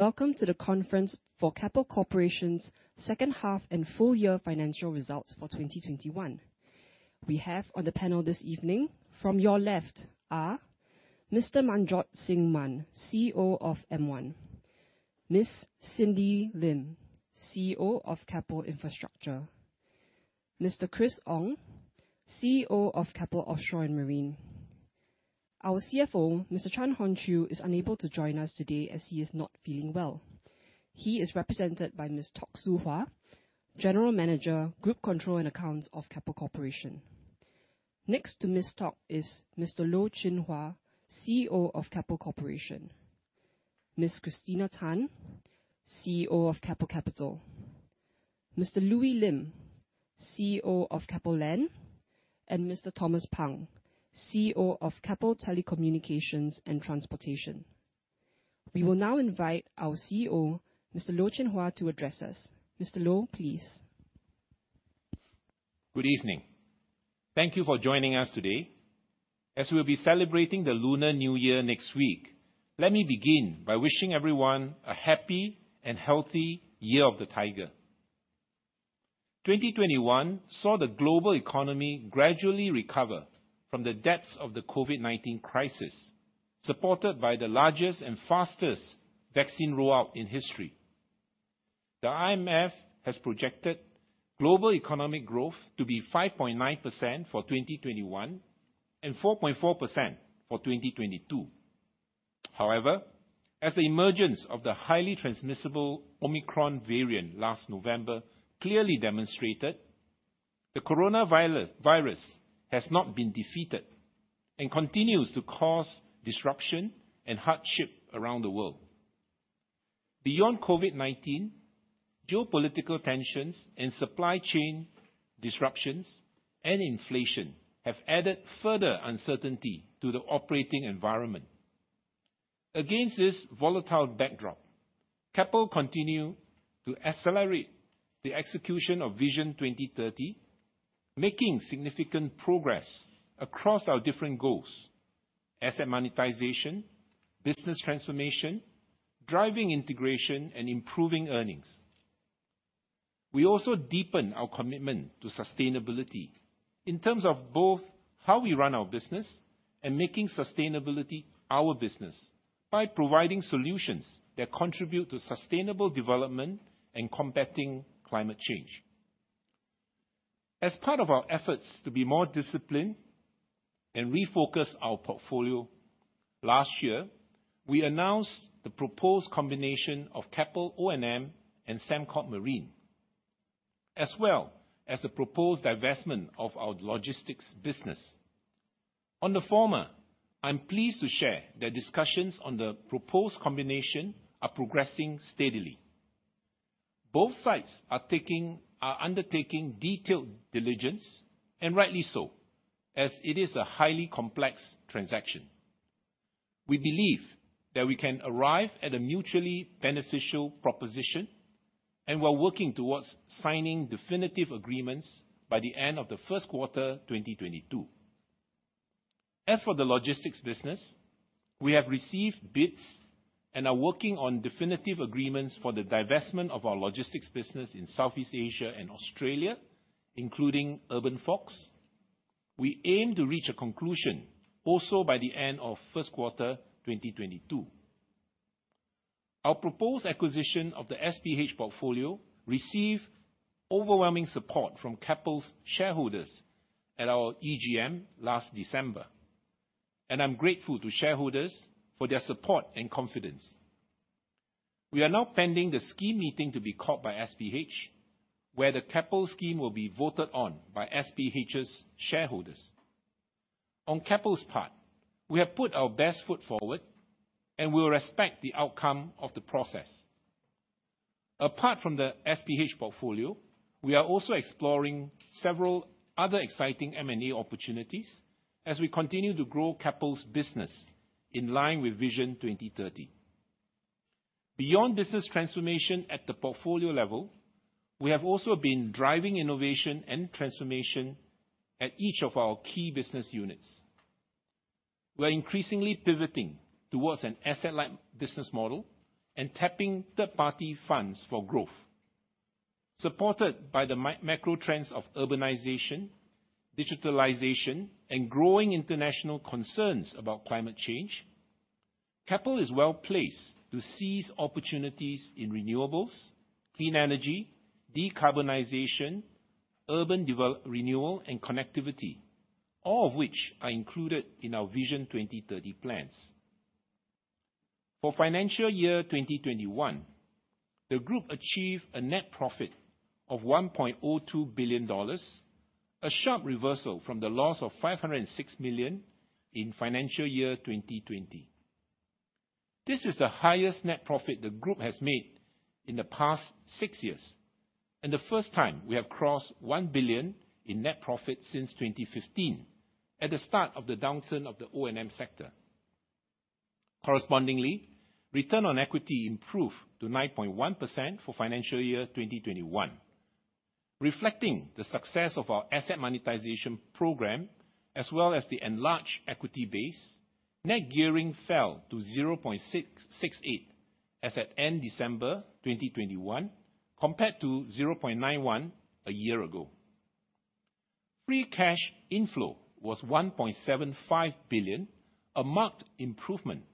Welcome to the conference for Keppel Corporation's second half and full year financial results for 2021. We have on the panel this evening from your left are Mr. Manjot Singh Mann, CEO of M1. Ms. Cindy Lim, CEO of Keppel Infrastructure. Mr. Chris Ong, CEO of Keppel Offshore & Marine. Our CFO, Mr. Chan Hon Chew, is unable to join us today as he is not feeling well. He is represented by Ms. Tok Soo Hwa, General Manager, Group Control & Accounts of Keppel Corporation. Next to Ms. Tok is Mr. Loh Chin Hua, CEO of Keppel Corporation. Ms. Christina Tan, CEO of Keppel Capital. Mr. Louis Lim, CEO of Keppel Land, and Mr. Thomas Pang, CEO of Keppel Telecommunications & Transportation. We will now invite our CEO, Mr. Loh Chin Hua, to address us. Mr. Loh, please. Good evening. Thank you for joining us today. As we'll be celebrating the Lunar New Year next week, let me begin by wishing everyone a happy and healthy Year of the Tiger. 2021 saw the global economy gradually recover from the depths of the COVID-19 crisis, supported by the largest and fastest vaccine rollout in history. The IMF has projected global economic growth to be 5.9% for 2021 and 4.4% for 2022. However, as the emergence of the highly transmissible Omicron variant last November clearly demonstrated, the coronavirus has not been defeated and continues to cause disruption and hardship around the world. Beyond COVID-19, geopolitical tensions and supply chain disruptions and inflation have added further uncertainty to the operating environment. Against this volatile backdrop, Keppel continue to accelerate the execution of Vision 2030, making significant progress across our different goals, asset monetization, business transformation, driving integration, and improving earnings. We also deepen our commitment to sustainability in terms of both how we run our business and making sustainability our business by providing solutions that contribute to sustainable development and combating climate change. As part of our efforts to be more disciplined and refocus our portfolio, last year we announced the proposed combination of Keppel O&M and Sembcorp Marine, as well as the proposed divestment of our logistics business. On the former, I'm pleased to share that discussions on the proposed combination are progressing steadily. Both sides are undertaking detailed diligence, and rightly so, as it is a highly complex transaction. We believe that we can arrive at a mutually beneficial proposition, and we're working towards signing definitive agreements by the end of the first quarter 2022. As for the logistics business, we have received bids and are working on definitive agreements for the divestment of our logistics business in Southeast Asia and Australia, including UrbanFox. We aim to reach a conclusion also by the end of first quarter 2022. Our proposed acquisition of the SPH portfolio received overwhelming support from Keppel's shareholders at our EGM last December, and I'm grateful to shareholders for their support and confidence. We are now pending the scheme meeting to be called by SPH, where the Keppel scheme will be voted on by SPH's shareholders. On Keppel's part, we have put our best foot forward, and we will respect the outcome of the process. Apart from the SPH portfolio, we are also exploring several other exciting M&A opportunities as we continue to grow Keppel's business in line with Vision 2030. Beyond business transformation at the portfolio level, we have also been driving innovation and transformation at each of our key business units. We're increasingly pivoting towards an asset-light business model and tapping third-party funds for growth. Supported by the macro trends of urbanization, digitalization, and growing international concerns about climate change, Keppel is well-placed to seize opportunities in renewables, clean energy, decarbonization, urban renewal, and connectivity, all of which are included in our Vision 2030 plans. For financial year 2021, the group achieved a net profit of SGD 1.02 billion, a sharp reversal from the loss of SGD 506 million in financial year 2020. This is the highest net profit the group has made in the past six years, and the first time we have crossed 1 billion in net profit since 2015 at the start of the downturn of the O&M sector. Correspondingly, return on equity improved to 9.1% for financial year 2021. Reflecting the success of our asset monetization program, as well as the enlarged equity base, net gearing fell to 0.68 as at end December 2021, compared to 0.91 a year ago. Free cash inflow was 1.75 billion, a marked improvement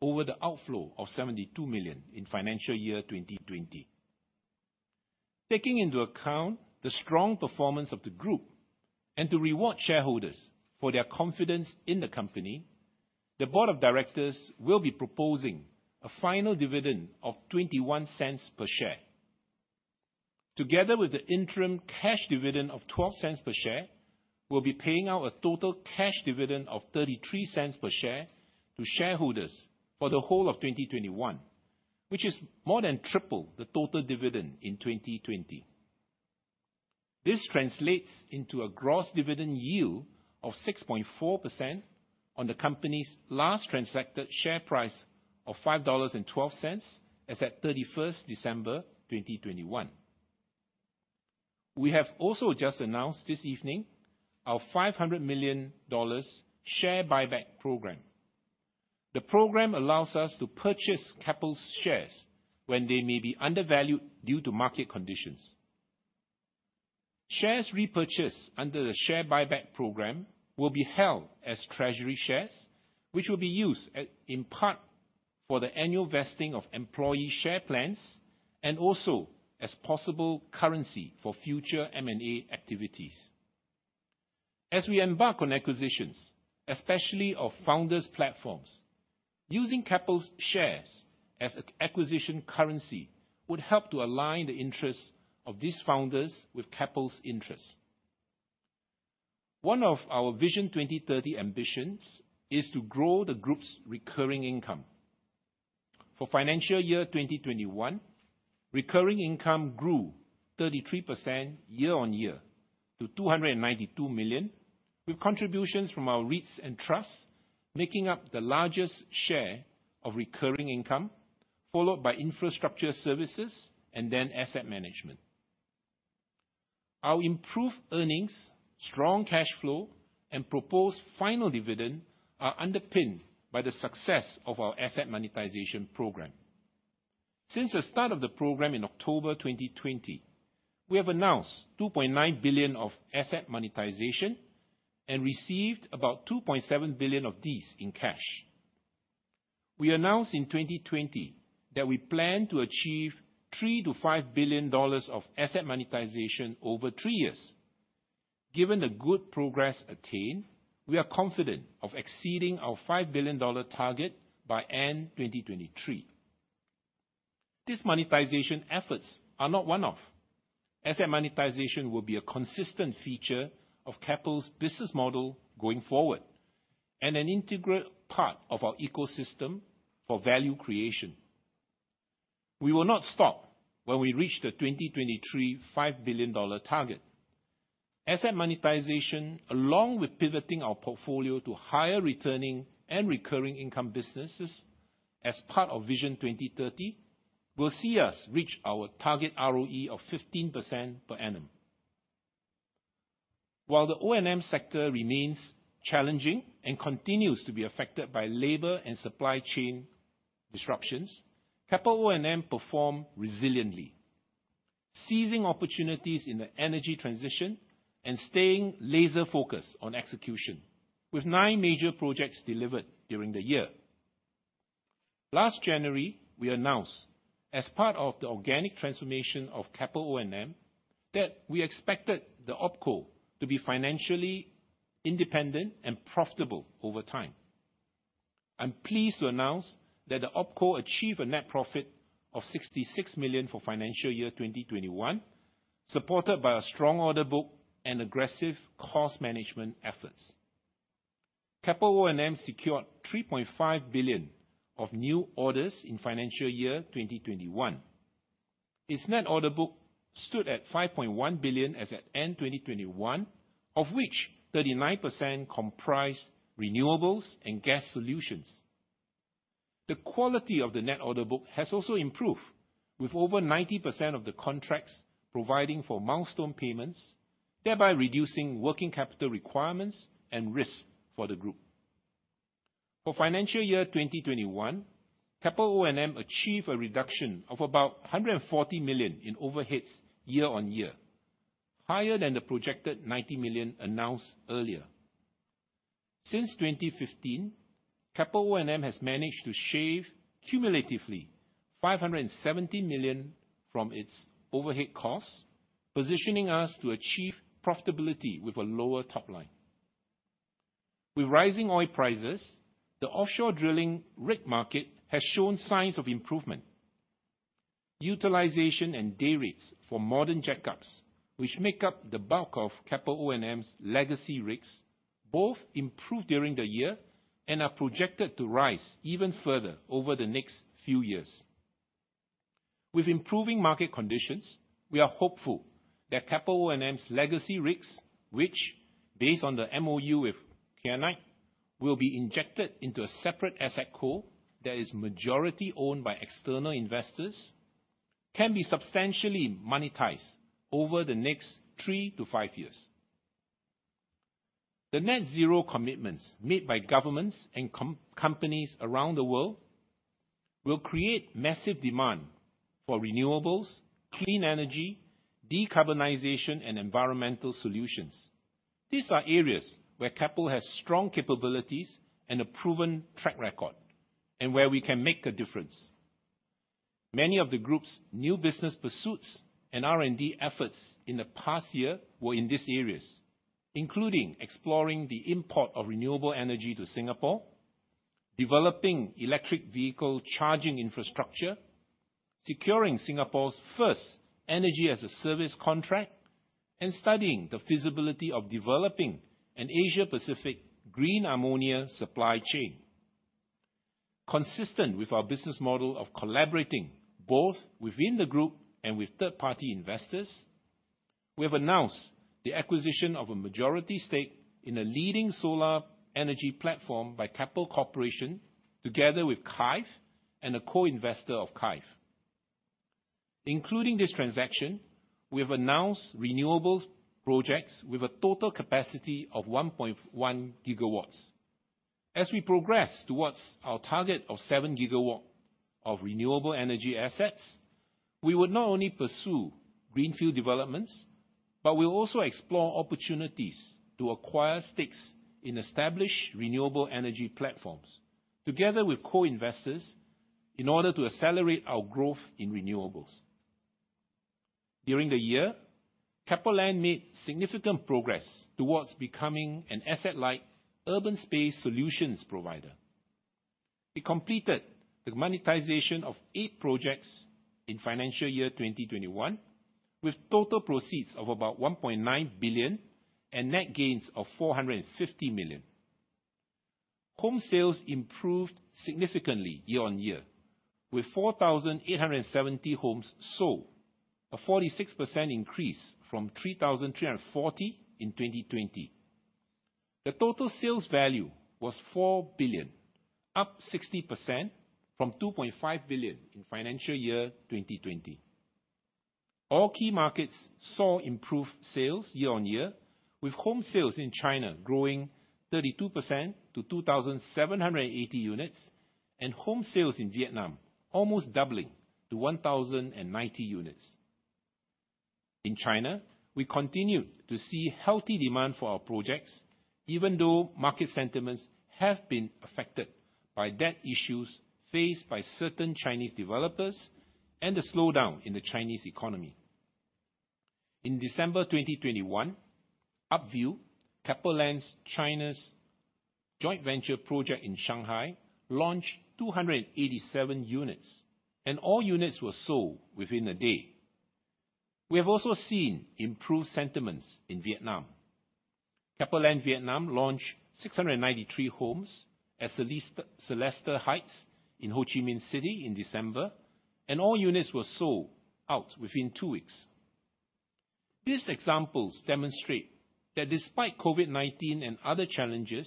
over the outflow of 72 million in financial year 2020. Taking into account the strong performance of the group, and to reward shareholders for their confidence in the company, the board of directors will be proposing a final dividend of 0.21 per share. Together with the interim cash dividend of 0.12 per share, we'll be paying out a total cash dividend of 0.33 per share to shareholders for the whole of 2021, which is more than triple the total dividend in 2020. This translates into a gross dividend yield of 6.4% on the company's last transacted share price of 5.12 dollars, as at December 31st, 2021. We have also just announced this evening our 500 million dollars share buyback program. The program allows us to purchase Keppel's shares when they may be undervalued due to market conditions. Shares repurchased under the share buyback program will be held as treasury shares, which will be used, in part, for the annual vesting of employee share plans and also as possible currency for future M&A activities. As we embark on acquisitions, especially of founders platforms, using Keppel's shares as an acquisition currency would help to align the interests of these founders with Keppel's interests. One of our Vision 2030 ambitions is to grow the group's recurring income. For financial year 2021, recurring income grew 33% year-on-year to 292 million, with contributions from our REITs and trusts making up the largest share of recurring income, followed by infrastructure services and then asset management. Our improved earnings, strong cash flow, and proposed final dividend are underpinned by the success of our asset monetization program. Since the start of the program in October 2020, we have announced 2.9 billion of asset monetization and received about 2.7 billion of these in cash. We announced in 2020 that we plan to achieve 3 billion-5 billion dollars of asset monetization over three years. Given the good progress attained, we are confident of exceeding our 5 billion dollar target by end 2023. These monetization efforts are not one-off. Asset monetization will be a consistent feature of Keppel's business model going forward, and an integral part of our ecosystem for value creation. We will not stop when we reach the 2023, 5 billion dollar target. Asset monetization, along with pivoting our portfolio to higher returning and recurring income businesses as part of Vision 2030, will see us reach our target ROE of 15% per annum. While the O&M sector remains challenging and continues to be affected by labor and supply chain disruptions, Keppel O&M perform resiliently, seizing opportunities in the energy transition and staying laser-focused on execution, with nine major projects delivered during the year. Last January, we announced as part of the organic transformation of Keppel O&M that we expected the OpCo to be financially independent and profitable over time. I'm pleased to announce that the OpCo achieved a net profit of 66 million for financial year 2021, supported by a strong order book and aggressive cost management efforts. Keppel O&M secured 3.5 billion of new orders in financial year 2021. Its net order book stood at 5.1 billion as at end 2021, of which 39% comprised renewables and gas solutions. The quality of the net order book has also improved with over 90% of the contracts providing for milestone payments, thereby reducing working capital requirements and risk for the group. For financial year 2021, Keppel O&M achieved a reduction of about 140 million in overheads year-on-year, higher than the projected 90 million announced earlier. Since 2015, Keppel O&M has managed to shave cumulatively 570 million from its overhead costs, positioning us to achieve profitability with a lower top line. With rising oil prices, the offshore drilling rig market has shown signs of improvement. Utilization and day rates for modern jackups, which make up the bulk of Keppel O&M's legacy rigs, both improved during the year and are projected to rise even further over the next few years. With improving market conditions, we are hopeful that Keppel O&M's legacy rigs, which, based on the MoU with Kyanite, will be injected into a separate AssetCo that is majority-owned by external investors, can be substantially monetized over the next three to five years. The net zero commitments made by governments and companies around the world will create massive demand for renewables, clean energy, decarbonization, and environmental solutions. These are areas where Keppel has strong capabilities and a proven track record, and where we can make a difference. Many of the group's new business pursuits and R&D efforts in the past year were in these areas, including exploring the import of renewable energy to Singapore, developing electric vehicle charging infrastructure, securing Singapore's first energy-as-a-service contract, and studying the feasibility of developing an Asia-Pacific green ammonia supply chain. Consistent with our business model of collaborating both within the group and with third-party investors, we have announced the acquisition of a majority stake in a leading solar energy platform by Keppel Corporation, together with Kive and a co-investor of Kive. Including this transaction, we have announced renewables projects with a total capacity of 1.1 GW. As we progress towards our target of 7 GW of renewable energy assets, we will not only pursue greenfield developments, but we'll also explore opportunities to acquire stakes in established renewable energy platforms together with co-investors in order to accelerate our growth in renewables. During the year, Keppel Land made significant progress towards becoming an asset-light urban space solutions provider. It completed the monetization of eight projects in financial year 2021, with total proceeds of about 1.9 billion and net gains of 450 million. Home sales improved significantly year-on-year, with 4,870 homes sold, a 46% increase from 3,340 in 2020. The total sales value was 4 billion, up 60% from 2.5 billion in financial year 2020. All key markets saw improved sales year-on-year, with home sales in China growing 32% to 2,780 units, and home sales in Vietnam almost doubling to 1,090 units. In China, we continued to see healthy demand for our projects, even though market sentiments have been affected by debt issues faced by certain Chinese developers and a slowdown in the Chinese economy. In December 2021, Upview, Keppel Land China's joint venture project in Shanghai, launched 287 units, and all units were sold within a day. We have also seen improved sentiments in Vietnam. Keppel Land Vietnam launched 693 homes at Celesta Heights in Ho Chi Minh City in December, and all units were sold out within two weeks. These examples demonstrate that despite COVID-19 and other challenges,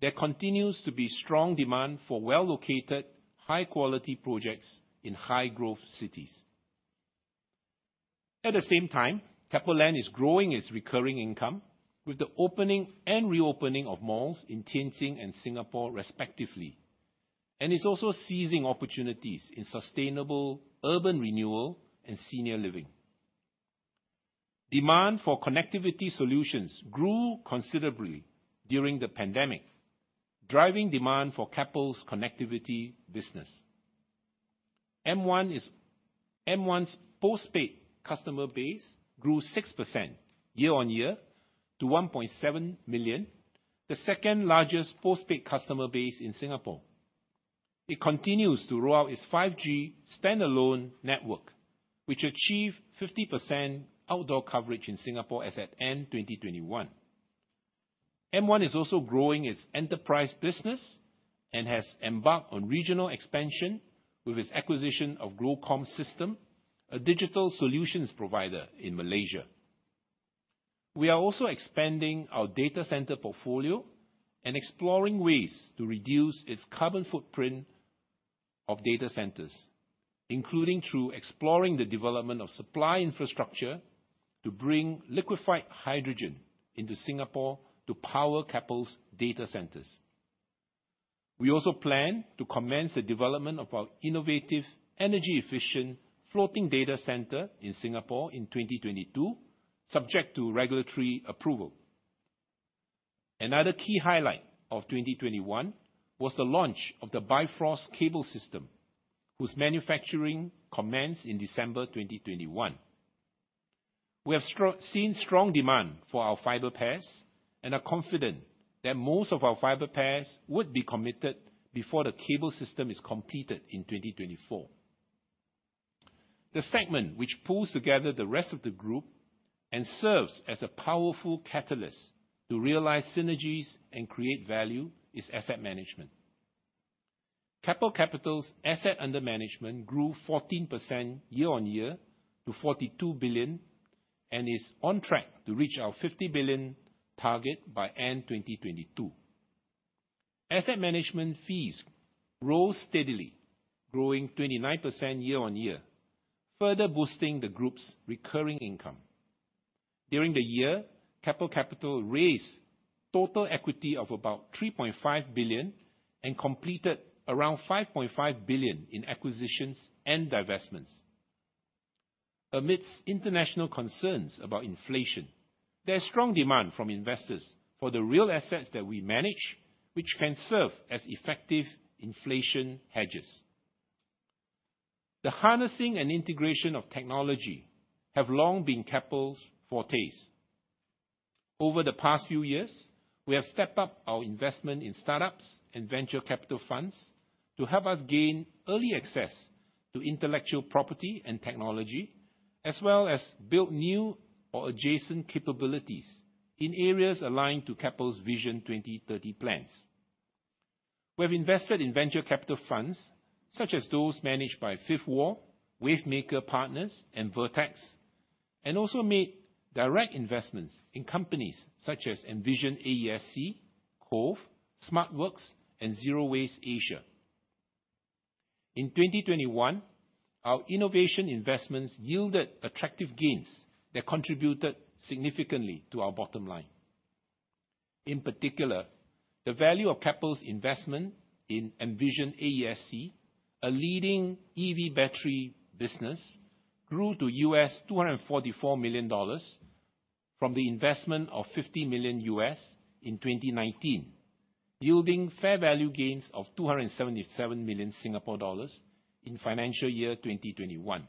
there continues to be strong demand for well-located, high-quality projects in high-growth cities. At the same time, Keppel Land is growing its recurring income with the opening and reopening of malls in Tianjin and Singapore respectively, and is also seizing opportunities in sustainable urban renewal and senior living. Demand for connectivity solutions grew considerably during the pandemic, driving demand for Keppel's connectivity business. M1's postpaid customer base grew 6% year-on-year to 1.7 million, the second-largest postpaid customer base in Singapore. It continues to roll out its 5G standalone network, which achieved 50% outdoor coverage in Singapore as at end 2021. M1 is also growing its enterprise business and has embarked on regional expansion with its acquisition of Glocomp Systems, a digital solutions provider in Malaysia. We are also expanding our data center portfolio and exploring ways to reduce its carbon footprint of data centers, including through exploring the development of supply infrastructure to bring liquefied hydrogen into Singapore to power Keppel's data centers. We also plan to commence the development of our innovative, energy-efficient floating data center in Singapore in 2022, subject to regulatory approval. Another key highlight of 2021 was the launch of the Bifrost Cable System, whose manufacturing commenced in December 2021. We have seen strong demand for our fiber pairs and are confident that most of our fiber pairs would be committed before the cable system is completed in 2024. The segment which pulls together the rest of the group and serves as a powerful catalyst to realize synergies and create value is asset management. Keppel Capital's asset under management grew 14% year-on-year to 42 billion and is on track to reach our 50 billion target by end 2022. Asset management fees grow steadily, growing 29% year-on-year, further boosting the group's recurring income. During the year, Keppel Capital raised total equity of about 3.5 billion and completed around 5.5 billion in acquisitions and divestments. Amidst international concerns about inflation, there's strong demand from investors for the real assets that we manage, which can serve as effective inflation hedges. The harnessing and integration of technology have long been Keppel's fortes. Over the past few years, we have stepped up our investment in startups and venture capital funds to help us gain early access to intellectual property and technology, as well as build new or adjacent capabilities in areas aligned to Keppel's Vision 2030 plans. We've invested in venture capital funds such as those managed by Fifth Wall, Wavemaker Partners and Vertex, and also made direct investments in companies such as Envision AESC, Cove, Smartworks and Zero Waste Asia. In 2021, our innovation investments yielded attractive gains that contributed significantly to our bottom line. In particular, the value of Keppel's investment in Envision AESC, a leading EV battery business, grew to $244 million from the investment of $50 million in 2019, yielding fair value gains of 277 million Singapore dollars in financial year 2021.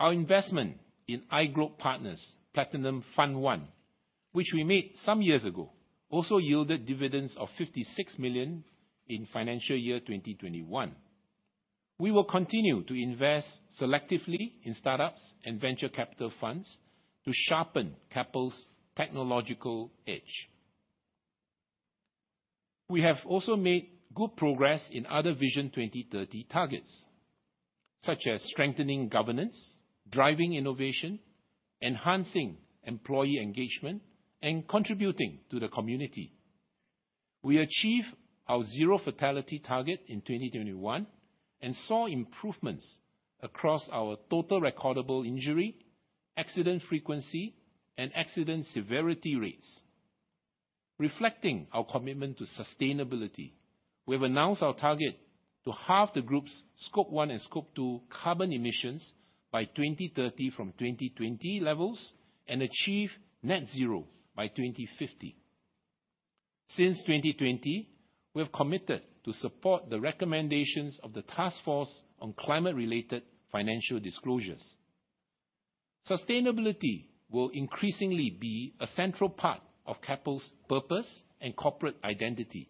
Our investment in iGlobe Partners Platinum Fund I, which we made some years ago, also yielded dividends of 56 million in financial year 2021. We will continue to invest selectively in startups and venture capital funds to sharpen Keppel's technological edge. We have also made good progress in other Vision 2030 targets, such as strengthening governance, driving innovation, enhancing employee engagement, and contributing to the community. We achieved our zero fatality target in 2021 and saw improvements across our total recordable injury, accident frequency, and accident severity rates. Reflecting our commitment to sustainability, we've announced our target to halve the group's Scope 1 and Scope 2 carbon emissions by 2030 from 2020 levels and achieve net zero by 2050. Since 2020, we have committed to support the recommendations of the Task Force on Climate-Related Financial Disclosures. Sustainability will increasingly be a central part of Keppel's purpose and corporate identity,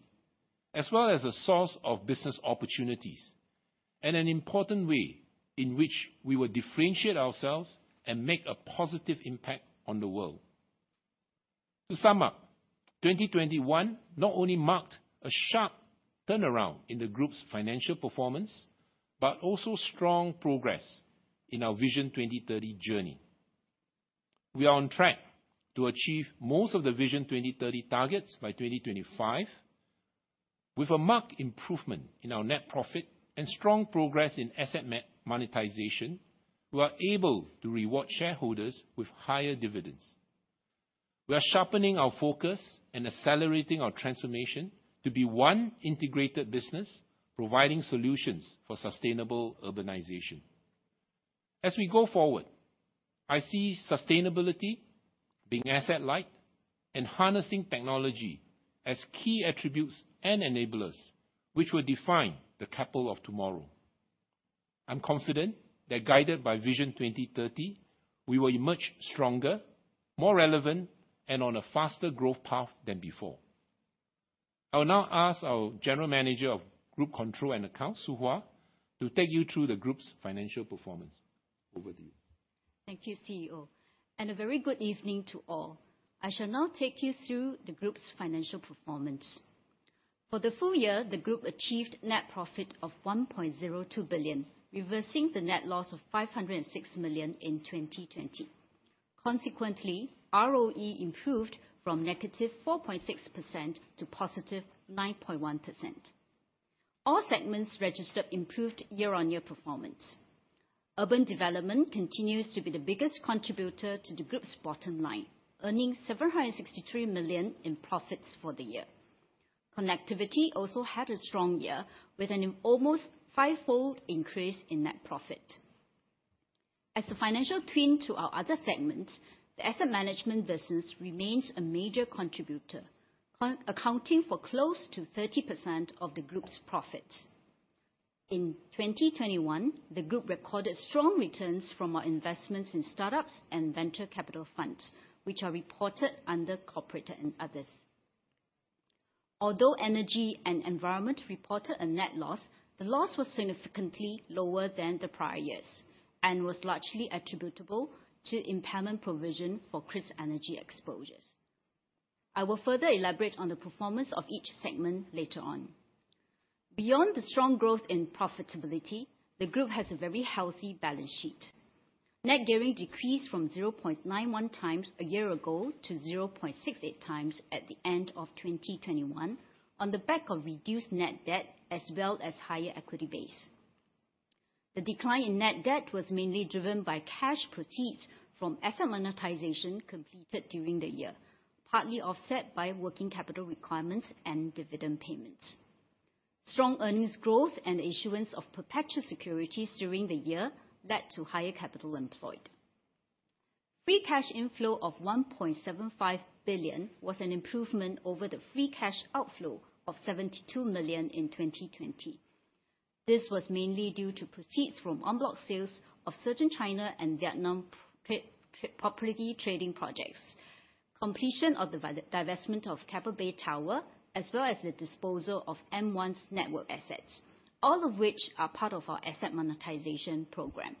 as well as a source of business opportunities and an important way in which we will differentiate ourselves and make a positive impact on the world. To sum up, 2021 not only marked a sharp turnaround in the group's financial performance, but also strong progress in our Vision 2030 journey. We are on track to achieve most of the Vision 2030 targets by 2025. With a marked improvement in our net profit and strong progress in asset monetization, we are able to reward shareholders with higher dividends. We are sharpening our focus and accelerating our transformation to be one integrated business providing solutions for sustainable urbanization. As we go forward, I see sustainability being asset light and harnessing technology as key attributes and enablers which will define the Keppel of tomorrow. I'm confident that guided by Vision 2030, we will emerge stronger, more relevant, and on a faster growth path than before. I will now ask our General Manager of Group Control and Accounts, Soo Hwa, to take you through the group's financial performance. Over to you. Thank you, CEO. A very good evening to all. I shall now take you through the group's financial performance. For the full year, the group achieved net profit of 1.02 billion, reversing the net loss of 506 million in 2020. Consequently, ROE improved from -4.6%-+9.1%. All segments registered improved year-on-year performance. Urban Development continues to be the biggest contributor to the group's bottom line, earning 763 million in profits for the year. Connectivity also had a strong year with an almost five-fold increase in net profit. As the financial twin to our other segments, the Asset Management business remains a major contributor, accounting for close to 30% of the group's profits. In 2021, the group recorded strong returns from our investments in startups and venture capital funds, which are reported under Corporate and Others. Although Energy and Environment reported a net loss, the loss was significantly lower than the prior years and was largely attributable to impairment provision for KrisEnergy exposures. I will further elaborate on the performance of each segment later on. Beyond the strong growth in profitability, the group has a very healthy balance sheet. Net gearing decreased from 0.91x a year ago to 0.68x at the end of 2021 on the back of reduced net debt as well as higher equity base. The decline in net debt was mainly driven by cash proceeds from asset monetization completed during the year, partly offset by working capital requirements and dividend payments. Strong earnings growth and issuance of perpetual securities during the year led to higher capital employed. Free cash inflow of 1.75 billion was an improvement over the free cash outflow of 72 million in 2020. This was mainly due to proceeds from en bloc sales of certain China and Vietnam property trading projects, completion of the divestment of Keppel Bay Tower, as well as the disposal of M1's network assets, all of which are part of our asset monetization program.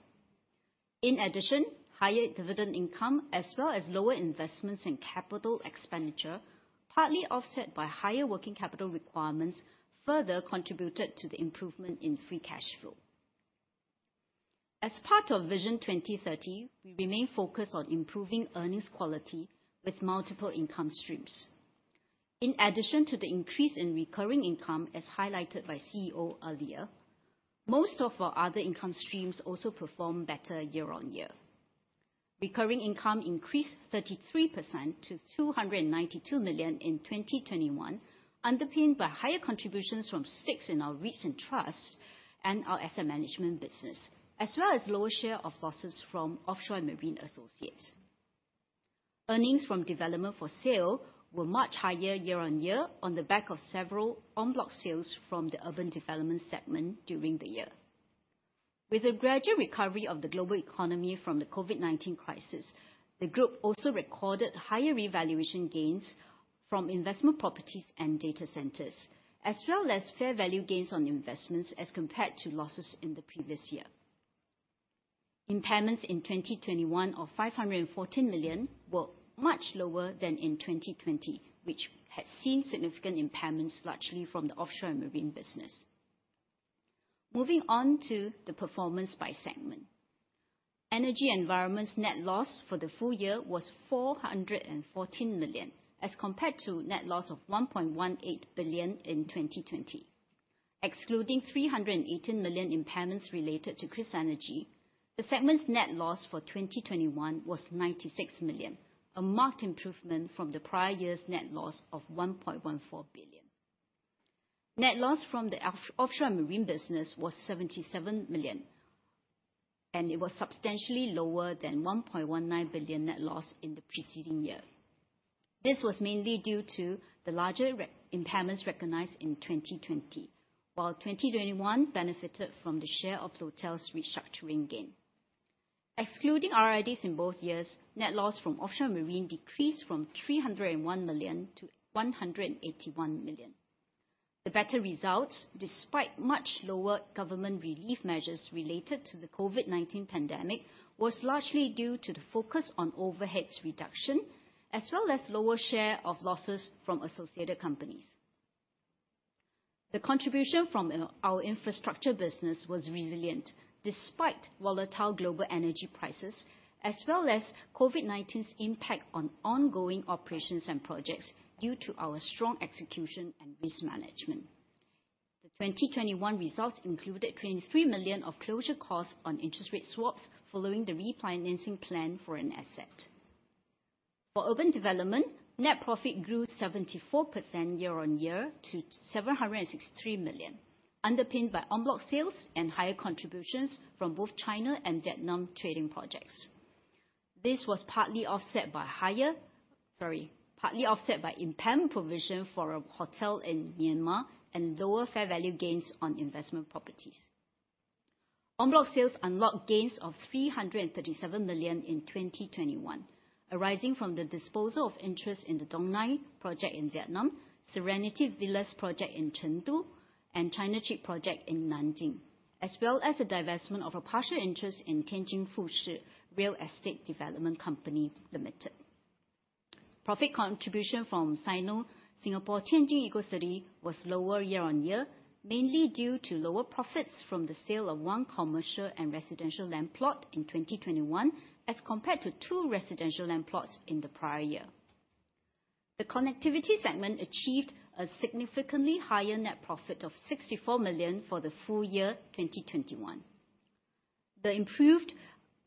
In addition, higher dividend income, as well as lower investments in capital expenditure, partly offset by higher working capital requirements, further contributed to the improvement in free cash flow. As part of Vision 2030, we remain focused on improving earnings quality with multiple income streams. In addition to the increase in recurring income, as highlighted by CEO earlier, most of our other income streams also perform better year on year. Recurring income increased 33% to 292 million in 2021, underpinned by higher contributions from stakes in our REITs and trusts and our asset management business, as well as lower share of losses from Offshore & Marine associates. Earnings from development for sale were much higher year on year on the back of several en bloc sales from the urban development segment during the year. With the gradual recovery of the global economy from the COVID-19 crisis, the group also recorded higher revaluation gains from investment properties and data centers, as well as fair value gains on investments as compared to losses in the previous year. Impairments in 2021 of 514 million were much lower than in 2020, which had seen significant impairments largely from the Offshore and Marine business. Moving on to the performance by segment. Energy and Environment net loss for the full year was 414 million as compared to net loss of 1.18 billion in 2020. Excluding 318 million impairments related to KrisEnergy, the segment's net loss for 2021 was 96 million, a marked improvement from the prior year's net loss of 1.14 billion. Net loss from the Offshore and Marine business was 77 million, and it was substantially lower than 1.19 billion net loss in the preceding year. This was mainly due to the larger reimpairments recognized in 2020, while 2021 benefited from the share of Floatel's restructuring gain. Excluding RIDs in both years, net loss from Offshore and Marine decreased from 301 million-181 million. The better results, despite much lower government relief measures related to the COVID-19 pandemic, was largely due to the focus on overheads reduction, as well as lower share of losses from associated companies. The contribution from our infrastructure business was resilient despite volatile global energy prices, as well as COVID-19's impact on ongoing operations and projects due to our strong execution and risk management. The 2021 results included 23 million of closure costs on interest rate swaps following the refinancing plan for an asset. For urban development, net profit grew 74% year-on-year to SGD 763 million, underpinned by en bloc sales and higher contributions from both China and Vietnam trading projects. This was partly offset by impairment provision for a hotel in Myanmar and lower fair value gains on investment properties. En bloc sales unlocked gains of 337 million in 2021, arising from the disposal of interest in the Dong Nai project in Vietnam, Serenity Villas project in Chengdu, and China Chic project in Nanjing, as well as the divestment of a partial interest in Tianjin Fugui Real Estate Development Company Limited. Profit contribution from Sino-Singapore Tianjin Eco-City was lower year on year, mainly due to lower profits from the sale of one commercial and residential land plot in 2021, as compared to two residential land plots in the prior year. The connectivity segment achieved a significantly higher net profit of SGD 64 million for the full year 2021. The improved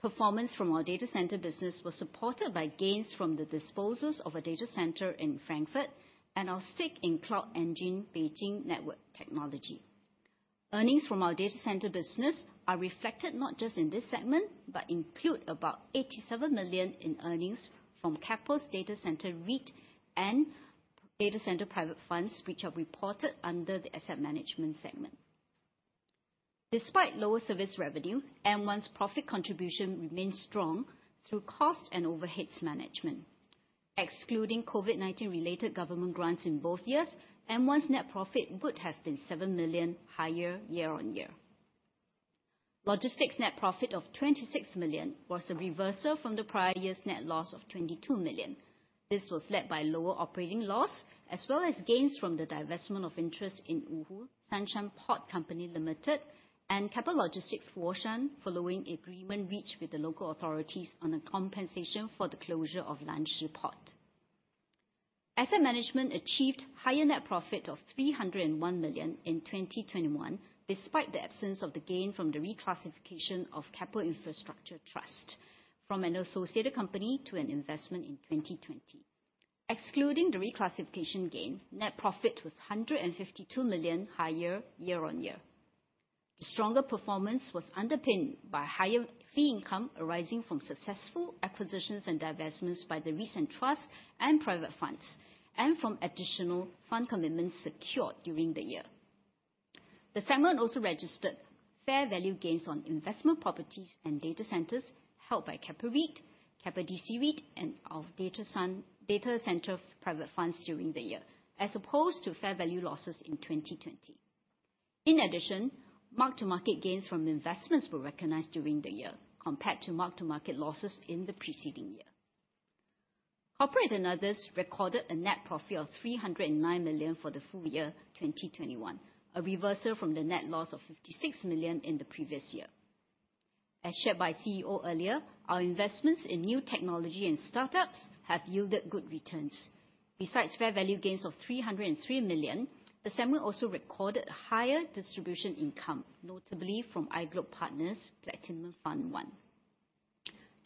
performance from our data center business was supported by gains from the disposals of a data center in Frankfurt and our stake in Cloud Engine (Beijing) Network Technology. Earnings from our data center business are reflected not just in this segment, but include about 87 million in earnings from Keppel's data center REIT and data center private funds, which are reported under the asset management segment. Despite lower service revenue, M1's profit contribution remains strong through cost and overheads management. Excluding COVID-19 related government grants in both years, M1's net profit would have been 7 million higher year-on-year. Logistics net profit of 26 million was a reversal from the prior year's net loss of 22 million. This was led by lower operating loss, as well as gains from the divestment of interest in Wuhu Sanshan Port Company Limited and Keppel Logistics Wushan, following agreement reached with the local authorities on the compensation for the closure of Lanshi Port. Asset management achieved higher net profit of 301 million in 2021, despite the absence of the gain from the reclassification of Keppel Infrastructure Trust from an associated company to an investment in 2020. Excluding the reclassification gain, net profit was 152 million higher year-on-year. Stronger performance was underpinned by higher fee income arising from successful acquisitions and divestments by the recent trust and private funds, and from additional fund commitments secured during the year. The segment also registered fair value gains on investment properties and data centers held by Keppel REIT, Keppel DC REIT, and our data center private funds during the year, as opposed to fair value losses in 2020. In addition, mark-to-market gains from investments were recognized during the year compared to mark-to-market losses in the preceding year. Corporate and others recorded a net profit of 309 million for the full year 2021, a reversal from the net loss of 56 million in the previous year. As shared by CEO earlier, our investments in new technology and start-ups have yielded good returns. Besides fair value gains of 303 million, the segment also recorded higher distribution income, notably from iGlobe Partners Platinum Fund I.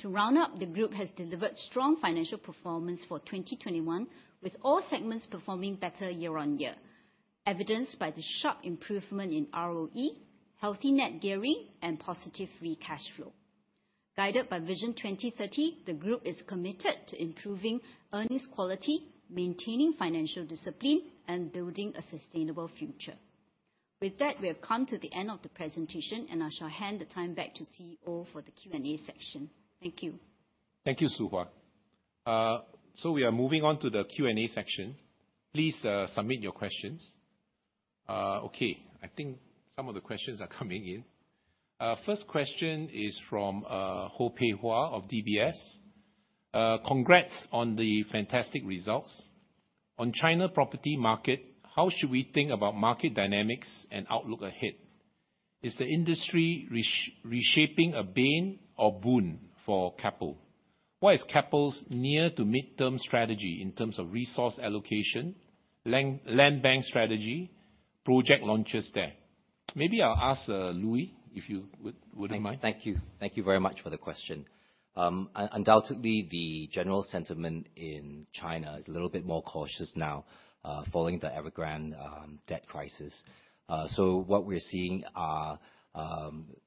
To round up, the group has delivered strong financial performance for 2021, with all segments performing better year-on-year, evidenced by the sharp improvement in ROE, healthy net gearing, and positive free cash flow. Guided by Vision 2030, the group is committed to improving earnings quality, maintaining financial discipline, and building a sustainable future. With that, we have come to the end of the presentation, and I shall hand the time back to CEO for the Q&A section. Thank you. Thank you, Soo Hua. So we are moving on to the Q&A section. Please submit your questions. Okay, I think some of the questions are coming in. First question is from Ho Pei Hua of DBS. Congrats on the fantastic results. On China property market, how should we think about market dynamics and outlook ahead? Is the industry reshaping a bane or boon for Keppel? What is Keppel's near to mid-term strategy in terms of resource allocation, land bank strategy, project launches there? Maybe I'll ask Louis, if you would mind. Thank you. Thank you very much for the question. Undoubtedly, the general sentiment in China is a little bit more cautious now, following the Evergrande debt crisis. What we're seeing are,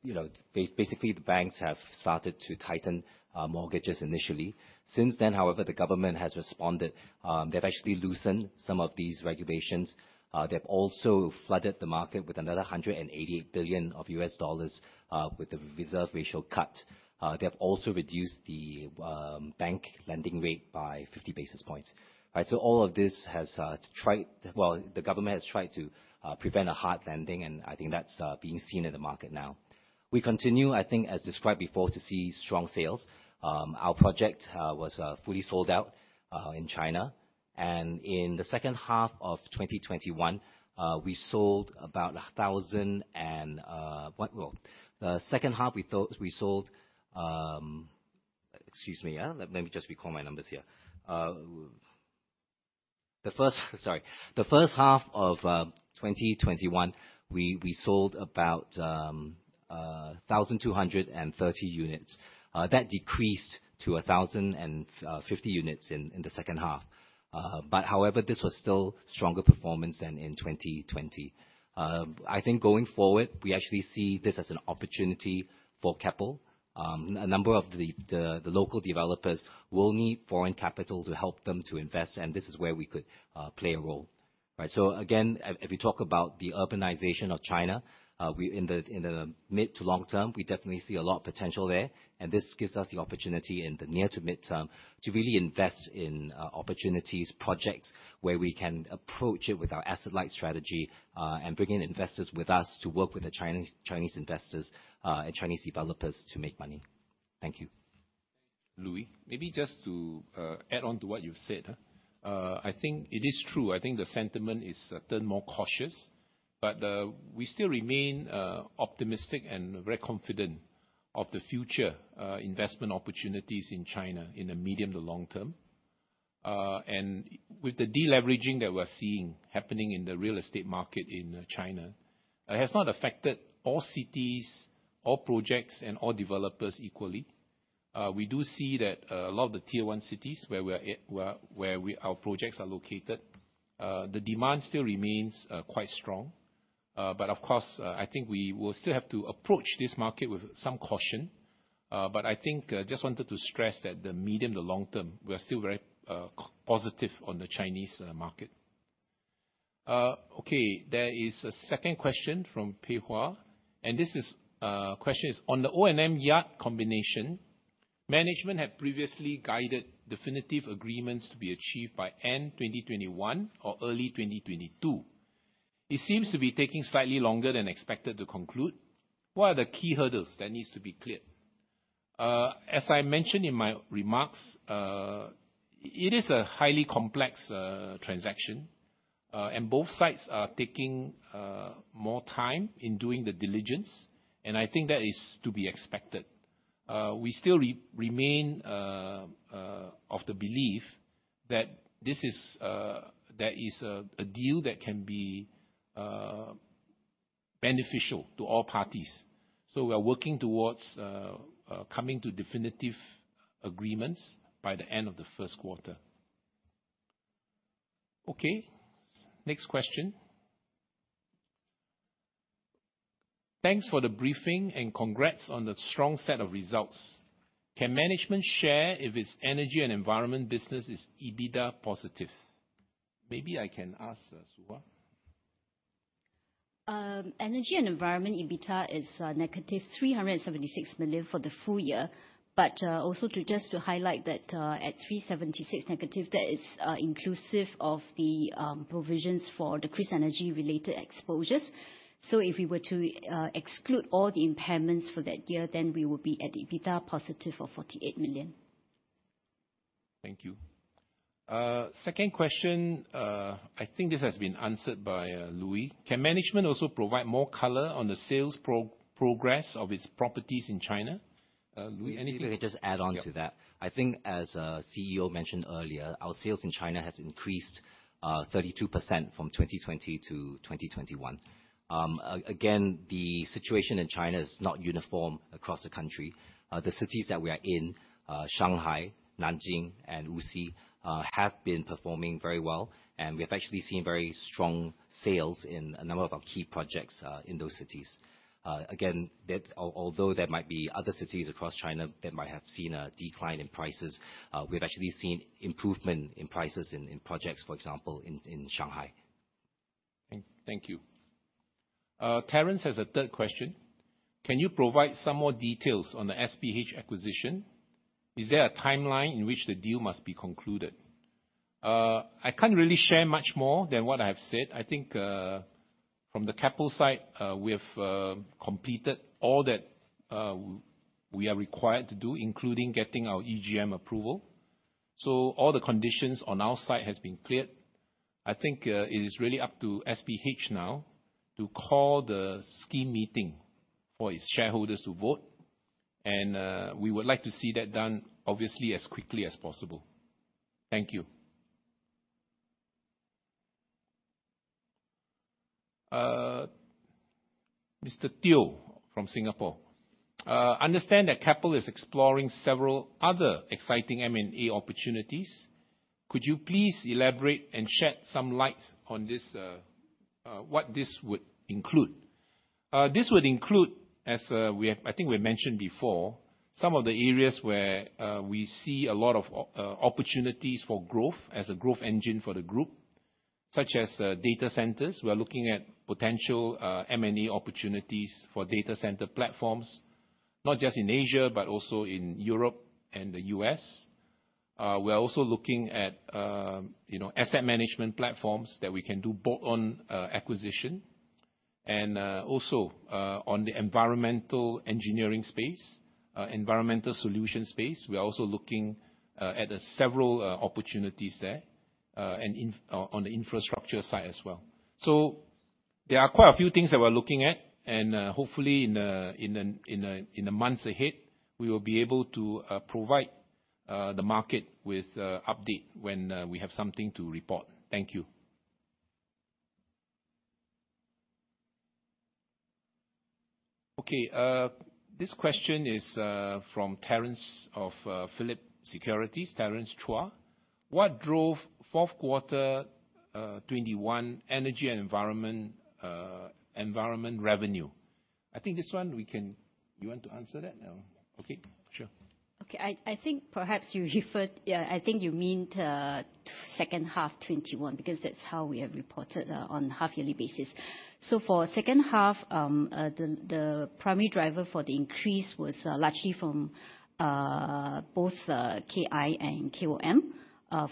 you know, basically, the banks have started to tighten mortgages initially. Since then, however, the government has responded. They've actually loosened some of these regulations. They've also flooded the market with another $188 billion with the reserve ratio cut. They have also reduced the bank lending rate by 50 basis points. Right? All of this has. Well, the government has tried to prevent a hard landing, and I think that's being seen in the market now. We continue, I think, as described before, to see strong sales. Our project that was fully sold out in China. And in the second half of 2021, we sold about 1000 units and, what well, the second half we sold - excuse me, let me just recall my numbers here - the first, sorry. The first half of 2021, we sold about 1,230 units. That decreased to 1,050 units in the second half. However, this was still stronger performance than in 2020. I think going forward, we actually see this as an opportunity for Keppel. A number of the local developers will need foreign capital to help them to invest, and this is where we could play a role. If we talk about the urbanization of China, in the mid to long term, we definitely see a lot of potential there. This gives us the opportunity in the near to mid-term to really invest in opportunities, projects, where we can approach it with our asset-light strategy, and bring in investors with us to work with the Chinese investors and Chinese developers to make money. Thank you. Louis, maybe just to add on to what you've said, I think it is true. I think the sentiment is a ton more cautious, but we still remain optimistic and very confident of the future investment opportunities in China in the medium to long term. With the deleveraging that we're seeing happening in the real estate market in China, it has not affected all cities, all projects, and all developers equally. We do see that a lot of the Tier 1 cities where we are at, where our projects are located, the demand still remains quite strong. Of course, I think we will still have to approach this market with some caution. I think just wanted to stress that the medium to long term, we are still very positive on the Chinese market. Okay. There is a second question from Pei Hwa Ho. This is a question on the O&M yard combination. Management had previously guided definitive agreements to be achieved by end 2021 or early 2022. It seems to be taking slightly longer than expected to conclude. What are the key hurdles that needs to be cleared? As I mentioned in my remarks, it is a highly complex transaction, and both sides are taking more time in doing the diligence, and I think that is to be expected. We still remain of the belief that this is a deal that can be beneficial to all parties. We are working towards coming to definitive agreements by the end of the first quarter. Okay. Next question. Thanks for the briefing and congrats on the strong set of results. Can management share if its energy and environment business is EBITDA positive? Maybe I can ask Soo Hwa. Energy and environment EBITDA is -376 million for the full year. Also to just highlight that, at -376 million, that is inclusive of the provisions for the KrisEnergy related exposures. If we were to exclude all the impairments for that year, then we will be at EBITDA of 48+ million. Thank you. Second question, I think this has been answered by Louis. Can management also provide more color on the sales progress of its properties in China? Louis, anything? Maybe I can just add on to that. Yeah. I think as CEO mentioned earlier, our sales in China has increased 32% from 2020-2021. Again, the situation in China is not uniform across the country. The cities that we are in, Shanghai, Nanjing and Wuxi, have been performing very well, and we have actually seen very strong sales in a number of our key projects in those cities. Again, that although there might be other cities across China that might have seen a decline in prices, we've actually seen improvement in prices in projects, for example, in Shanghai. Thank you. Clarence has a third question. Can you provide some more details on the SPH acquisition? Is there a timeline in which the deal must be concluded? I can't really share much more than what I have said. I think, from the Keppel side, we have completed all that we are required to do, including getting our EGM approval. So all the conditions on our side has been cleared. I think, it is really up to SPH now to call the scheme meeting for its shareholders to vote. We would like to see that done, obviously, as quickly as possible. Thank you. Mr. Teo from Singapore, understand that Keppel is exploring several other exciting M&A opportunities. Could you please elaborate and shed some light on this, what this would include? This would include, as we have, I think we mentioned before, some of the areas where we see a lot of opportunities for growth as a growth engine for the group, such as data centers. We are looking at potential M&A opportunities for data center platforms, not just in Asia but also in Europe and the U.S. We are also looking at, you know, asset management platforms that we can do bolt-on acquisition. Also on the environmental engineering space, environmental solution space. We are also looking at several opportunities there, and on the infrastructure side as well. There are quite a few things that we're looking at, and hopefully in the months ahead, we will be able to provide the market with update when we have something to report. Thank you. Okay. This question is from Terence of Phillip Securities. Terence Chua. What drove fourth quarter 2021 energy and environment revenue? You want to answer that? Okay, sure. I think you mean second half 2021, because that's how we have reported on half-yearly basis. For second half, the primary driver for the increase was largely from both KI and KOM.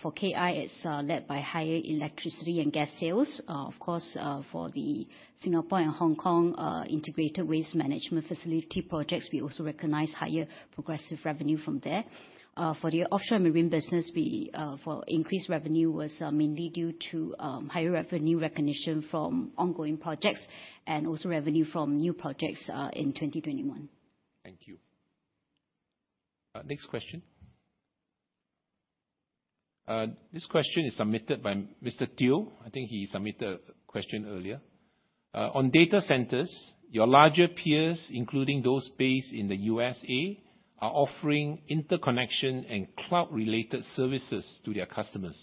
For KI, it's led by higher electricity and gas sales. Of course, for the Singapore and Hong Kong integrated waste management facility projects, we also recognize higher progressive revenue from there. For the offshore marine business, increased revenue was mainly due to higher revenue recognition from ongoing projects and also revenue from new projects in 2021. Thank you. Next question. This question is submitted by Mr. Teo. I think he submitted a question earlier. On data centers, your larger peers, including those based in the USA, are offering interconnection and cloud related services to their customers.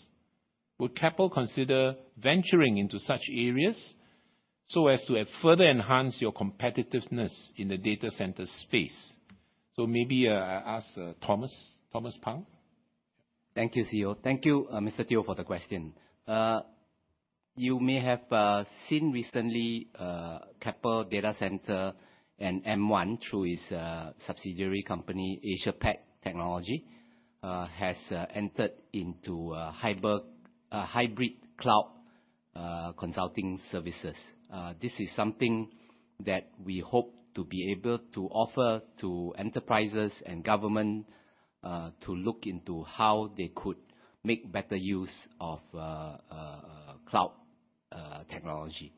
Would Keppel consider venturing into such areas so as to further enhance your competitiveness in the data center space? Maybe, I ask Thomas. Thomas Pang. Thank you, CEO. Thank you, Mr. Teo, for the question. You may have seen recently, Keppel data center and M1 through its subsidiary company, AsiaPac Technology, has entered into a hybrid cloud consulting services. This is something that we hope to be able to offer to enterprises and government to look into how they could make better use of cloud technology.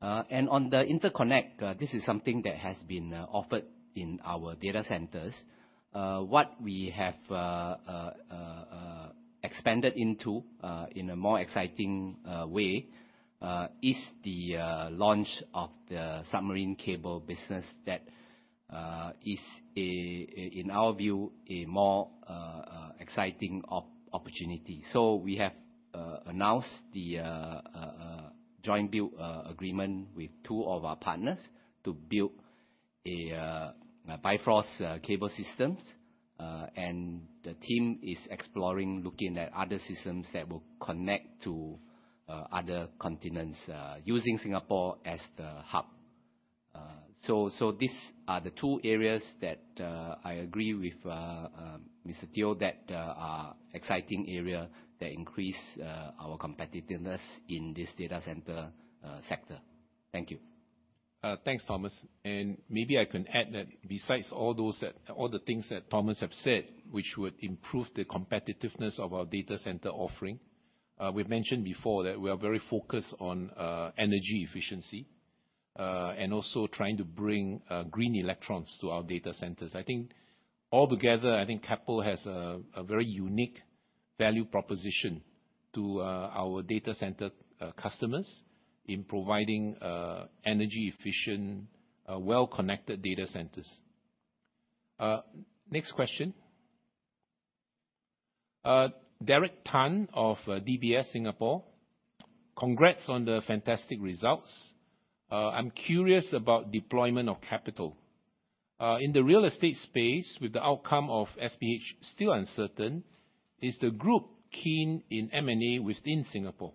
On the interconnect, this is something that has been offered in our data centers. What we have expanded into in a more exciting way is the launch of the submarine cable business that is, in our view, a more exciting opportunity. We have announced the joint build agreement with two of our partners to build a Bifrost cable systems. The team is exploring looking at other systems that will connect to other continents using Singapore as the hub. These are the two areas that I agree with Mr. Teo that are exciting area that increase our competitiveness in this data center sector. Thank you. Thanks, Thomas. Maybe I can add that besides all the things that Thomas have said, which would improve the competitiveness of our data center offering, we've mentioned before that we are very focused on energy efficiency and also trying to bring green electrons to our data centers. I think all together, I think Keppel has a very unique value proposition to our data center customers in providing energy efficient well-connected data centers. Next question. Derek Tan of DBS Singapore. Congrats on the fantastic results. I'm curious about deployment of capital. In the real estate space with the outcome of SPH still uncertain, is the group keen in M&A within Singapore?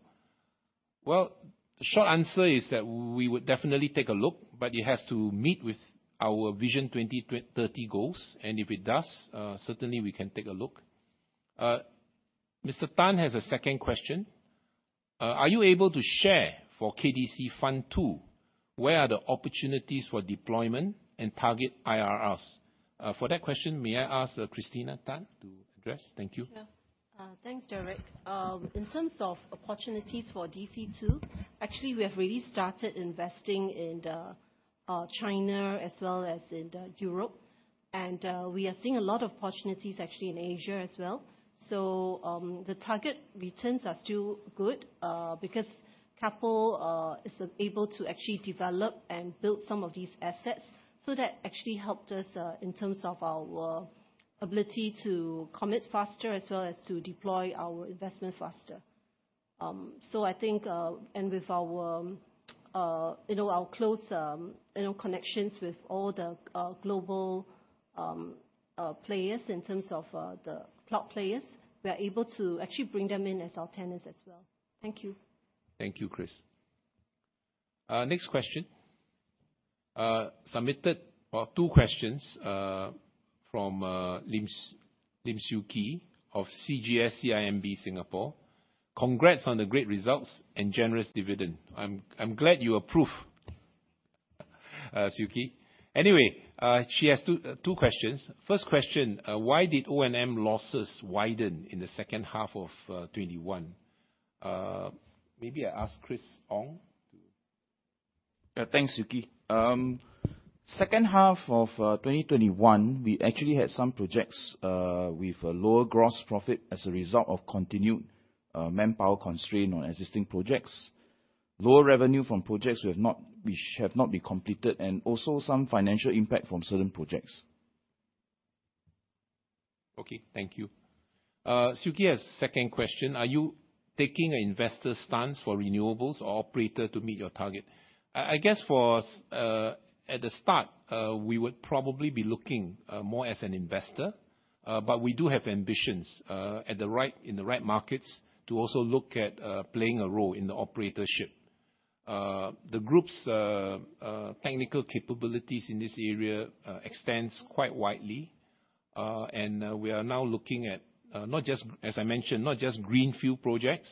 Well, the short answer is that we would definitely take a look, but it has to meet with our Vision 2030 goals. If it does, certainly we can take a look. Mr. Tan has a second question. Are you able to share for Keppel DC Fund II, where are the opportunities for deployment and target IRRs? For that question, may I ask Christina Tan to address? Thank you. Yeah. Thanks, Derek. In terms of opportunities for DC 2, actually, we have really started investing in China as well as in Europe. We are seeing a lot of opportunities actually in Asia as well. The target returns are still good because Keppel is able to actually develop and build some of these assets. That actually helped us in terms of our ability to commit faster as well as to deploy our investment faster. I think, with our close, you know, connections with all the global players in terms of the cloud players, we are able to actually bring them in as our tenants as well. Thank you. Thank you, Chris. Next question, submitted two questions from Lim Siew Khee of CGS-CIMB Singapore. Congrats on the great results and generous dividend. I'm glad you approve, Siew Khee. Anyway, she has two questions. First question, why did O&M losses widen in the second half of 2021? Maybe I ask Chris Ong to- Yeah. Thanks, Siew Khee. Second half of 2021, we actually had some projects with a lower gross profit as a result of continued manpower constraint on existing projects, lower revenue from projects which have not been completed and also some financial impact from certain projects. Okay. Thank you. Siew Khee has second question, are you taking an investor stance for renewables or operator to meet your target? I guess for at the start we would probably be looking more as an investor. But we do have ambitions in the right markets to also look at playing a role in the operatorship. The group's technical capabilities in this area extends quite widely. And we are now looking at not just, as I mentioned, not just greenfield projects,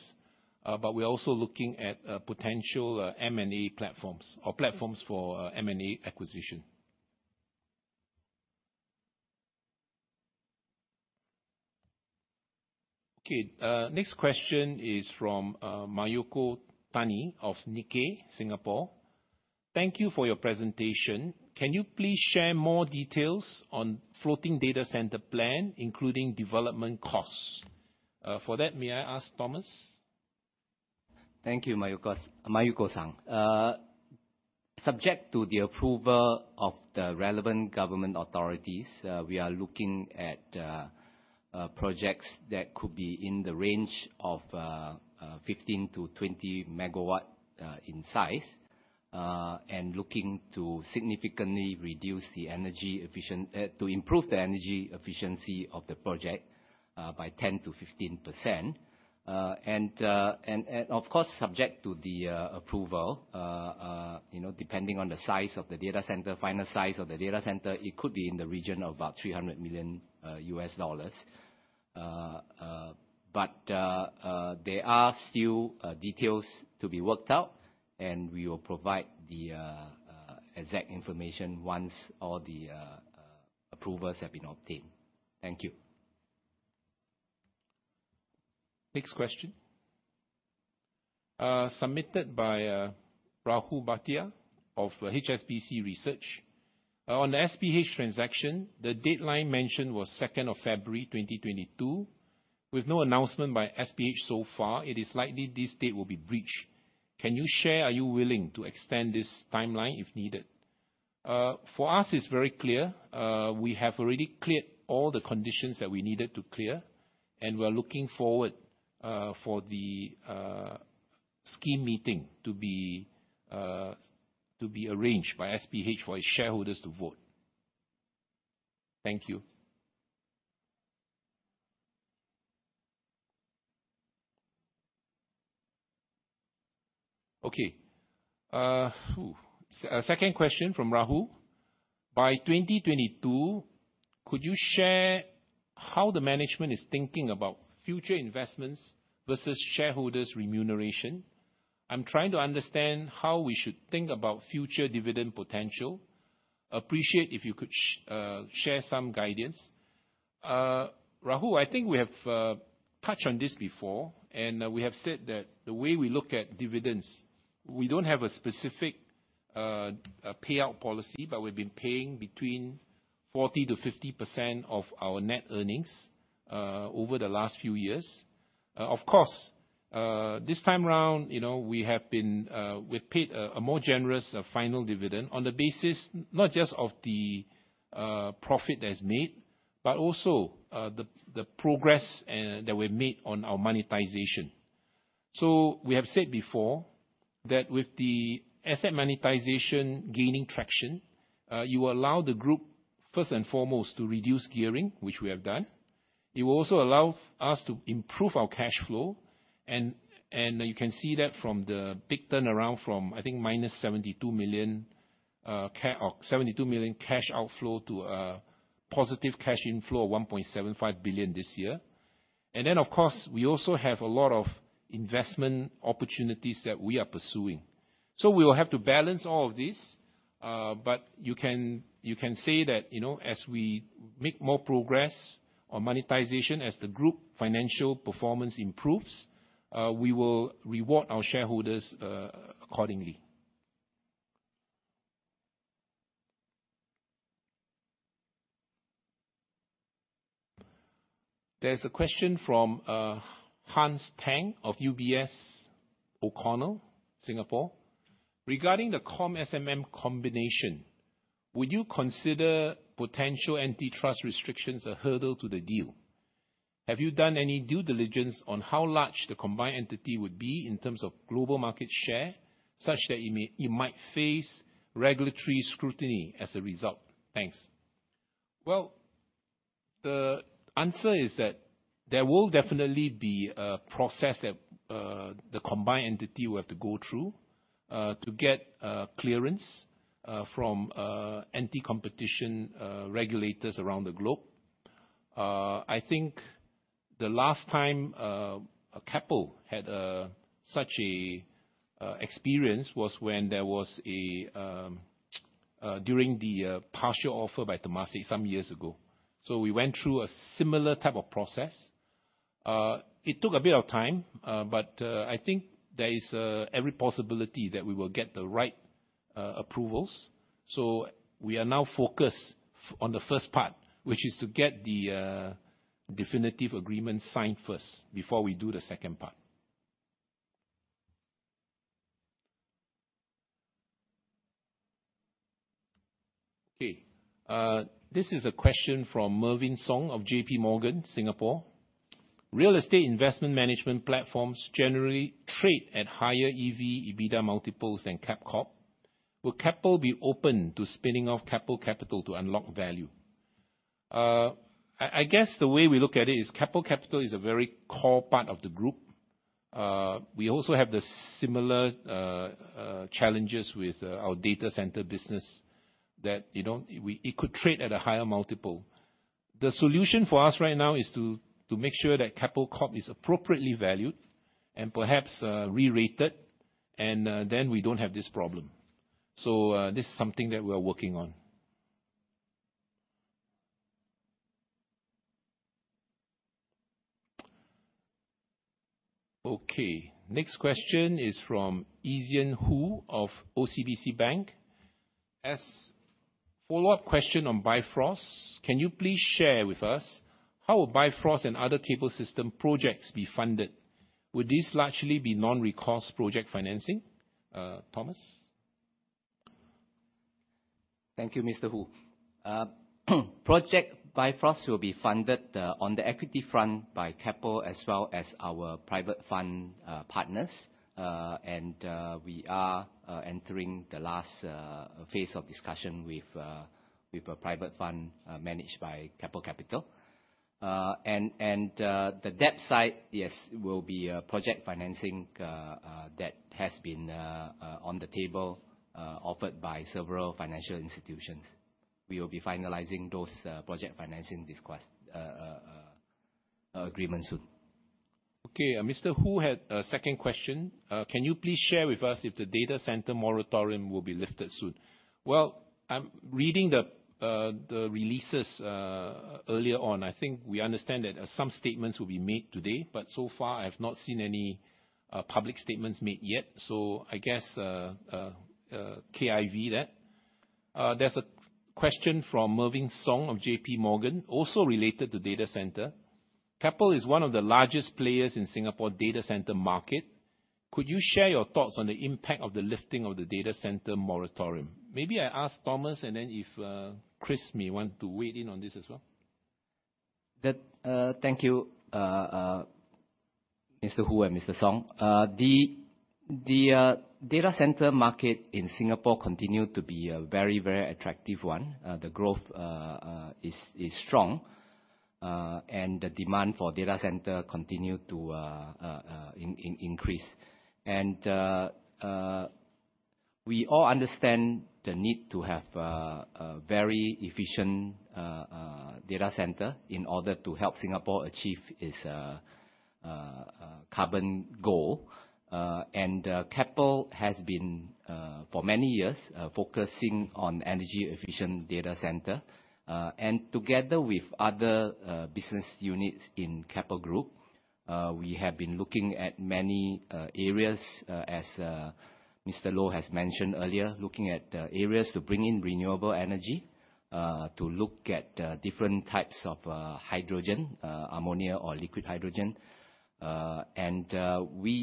but we're also looking at potential M&A platforms or platforms for M&A acquisition. Okay. Next question is from Mayuko Tani of Nikkei Singapore. Thank you for your presentation. Can you please share more details on floating data center plan, including development costs? For that, may I ask Thomas? Thank you, Mayuko-san. Subject to the approval of the relevant government authorities, we are looking at projects that could be in the range of 15 MW-20 MW in size. Looking to significantly improve the energy efficiency of the project by 10%-15%. Of course, subject to the approval, you know, depending on the size of the data center, final size of the data center, it could be in the region of about $300 million. There are still details to be worked out, and we will provide the exact information once all the approvals have been obtained. Thank you. Next question submitted by Rahul Bhatia of HSBC Research. On the SPH transaction, the deadline mentioned was February 2nd, 2022. With no announcement by SPH so far, it is likely this date will be breached. Can you share, are you willing to extend this timeline if needed? For us, it's very clear. We have already cleared all the conditions that we needed to clear, and we are looking forward for the scheme meeting to be arranged by SPH for its shareholders to vote. Thank you. Second question from Rahul. By 2022, could you share how the management is thinking about future investments versus shareholders' remuneration? I'm trying to understand how we should think about future dividend potential. Appreciate if you could share some guidance. Rahul, I think we have touched on this before, and we have said that the way we look at dividends, we don't have a specific payout policy, but we've been paying between 40%-50% of our net earnings over the last few years. Of course, this time around, you know, we paid a more generous final dividend on the basis not just of the profit that's made, but also the progress that we've made on our monetization. We have said before that with the asset monetization gaining traction, you allow the group, first and foremost, to reduce gearing, which we have done. It will also allow us to improve our cash flow, and you can see that from the big turnaround from, I think, -72 million cash outflow to a positive cash inflow of 1.75 billion this year. Of course, we also have a lot of investment opportunities that we are pursuing. We will have to balance all of this, but you can say that, you know, as we make more progress on monetization, as the group financial performance improves, we will reward our shareholders accordingly. There's a question from Hans Tang of UBS O'Connor, Singapore. Regarding the KOM and SCM combination, would you consider potential antitrust restrictions a hurdle to the deal? Have you done any due diligence on how large the combined entity would be in terms of global market share, such that you might face regulatory scrutiny as a result? Thanks. Well, the answer is that there will definitely be a process that the combined entity will have to go through to get clearance from anti-competition regulators around the globe. I think the last time Keppel had such an experience was when there was a partial offer by Temasek some years ago. We went through a similar type of process. It took a bit of time, but I think there is every possibility that we will get the right approvals. We are now focused on the first part, which is to get the definitive agreement signed first before we do the second part. Okay. This is a question from Mervin Song of JPMorgan, Singapore. Real estate investment management platforms generally trade at higher EV/EBITDA multiples than Keppel Corp. Will Keppel be open to spinning off Keppel Capital to unlock value? I guess the way we look at it is Keppel Capital is a very core part of the group. We also have these similar challenges with our data center business that, you know, it could trade at a higher multiple. The solution for us right now is to make sure that Keppel Corp is appropriately valued and perhaps re-rated, and then we don't have this problem. This is something that we are working on. Okay. Next question is from Yizhen Hu of OCBC Bank. As follow-up question on Bifrost, can you please share with us how will Bifrost and other cable system projects be funded? Would this largely be non-recourse project financing? Thomas? Thank you, Mr. Hu. Project Bifrost will be funded on the equity front by Keppel as well as our private fund partners. We are entering the last phase of discussion with a private fund managed by Keppel Capital. The debt side, yes, will be project financing that has been on the table offered by several financial institutions. We will be finalizing those project financing agreement soon. Okay. Mr. Hu had a second question. Can you please share with us if the data center moratorium will be lifted soon? Well, I'm reading the releases earlier on. I think we understand that some statements will be made today, but so far I've not seen any public statements made yet. I guess KIV that. There's a question from Mervin Song of JPMorgan, also related to data center. Keppel is one of the largest players in Singapore data center market. Could you share your thoughts on the impact of the lifting of the data center moratorium? Maybe I ask Thomas, and then if Chris may want to weigh in on this as well. Thank you, Mr. Hu and Mr. Song. The data center market in Singapore continues to be a very attractive one. The growth is strong, and the demand for data center continues to increase. We all understand the need to have a very efficient data center in order to help Singapore achieve its carbon goal. Keppel has been for many years focusing on energy efficient data center. Together with other business units in Keppel Group, we have been looking at many areas, as Mr. Loh has mentioned earlier, looking at areas to bring in renewable energy, to look at different types of hydrogen, ammonia or liquid hydrogen. We,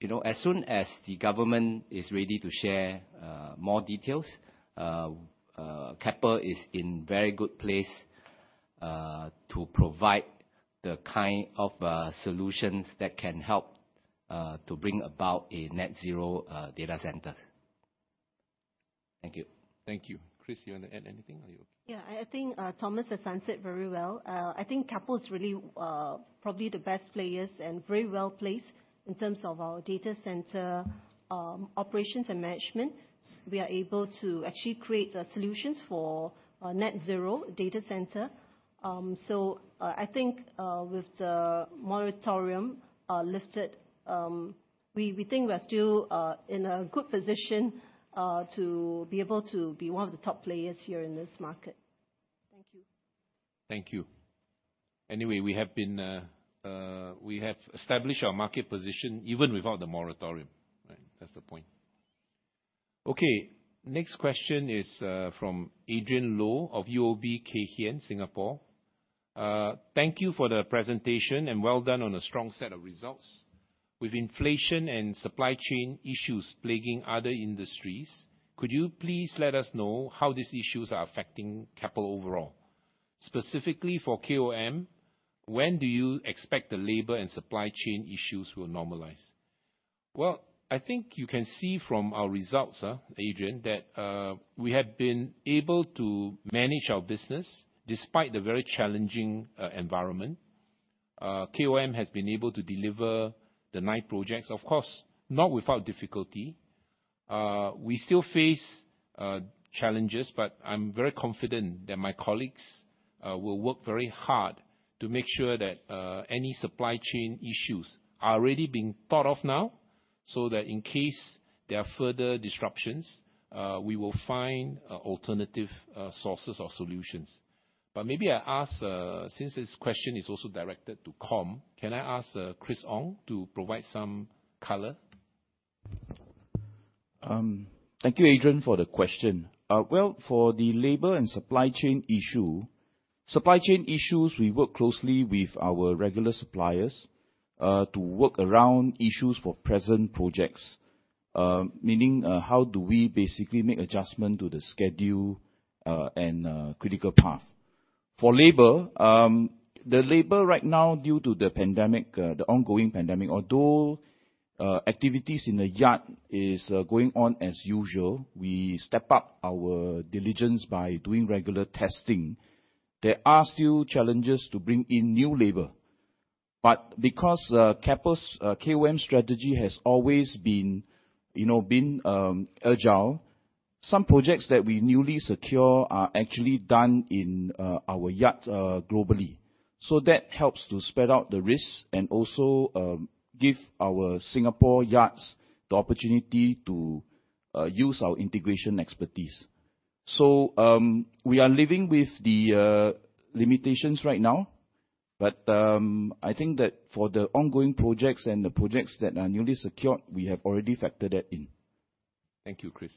you know, as soon as the government is ready to share more details, Keppel is in very good place to provide the kind of solutions that can help to bring about a net zero data center. Thank you. Thank you. Chris, you want to add anything? Are you okay? Yeah, I think Thomas has answered very well. I think Keppel is really probably the best players and very well-placed in terms of our data center operations and management. We are able to actually create solutions for net zero data center. I think with the moratorium lifted, we think we are still in a good position to be able to be one of the top players here in this market. Thank you. Thank you. Anyway, we have established our market position even without the moratorium. Right? That's the point. Okay. Next question is from Adrian Loh of UOB Kay Hian, Singapore. Thank you for the presentation and well done on a strong set of results. With inflation and supply chain issues plaguing other industries, could you please let us know how these issues are affecting Keppel overall? Specifically for KOM, when do you expect the labor and supply chain issues will normalize? Well, I think you can see from our results, Adrian, that we have been able to manage our business despite the very challenging environment. KOM has been able to deliver the nine projects, of course, not without difficulty. We still face challenges, but I'm very confident that my colleagues will work very hard to make sure that any supply chain issues are already being thought of now, so that in case there are further disruptions, we will find alternative sources or solutions. But maybe I ask, since this question is also directed to KOM, can I ask Chris Ong to provide some color? Thank you, Adrian, for the question. Well, for the labor and supply chain issues, we work closely with our regular suppliers to work around issues for present projects. Meaning, how do we basically make adjustment to the schedule and critical path. For labor, the labor right now due to the pandemic, the ongoing pandemic, although activities in the yard is going on as usual, we step up our diligence by doing regular testing. There are still challenges to bring in new labor. Because Keppel's KOM strategy has always been, you know, agile, some projects that we newly secure are actually done in our yards globally. That helps to spread out the risks and also give our Singapore yards the opportunity to use our integration expertise. We are living with the limitations right now, but I think that for the ongoing projects and the projects that are newly secured, we have already factored that in. Thank you, Chris.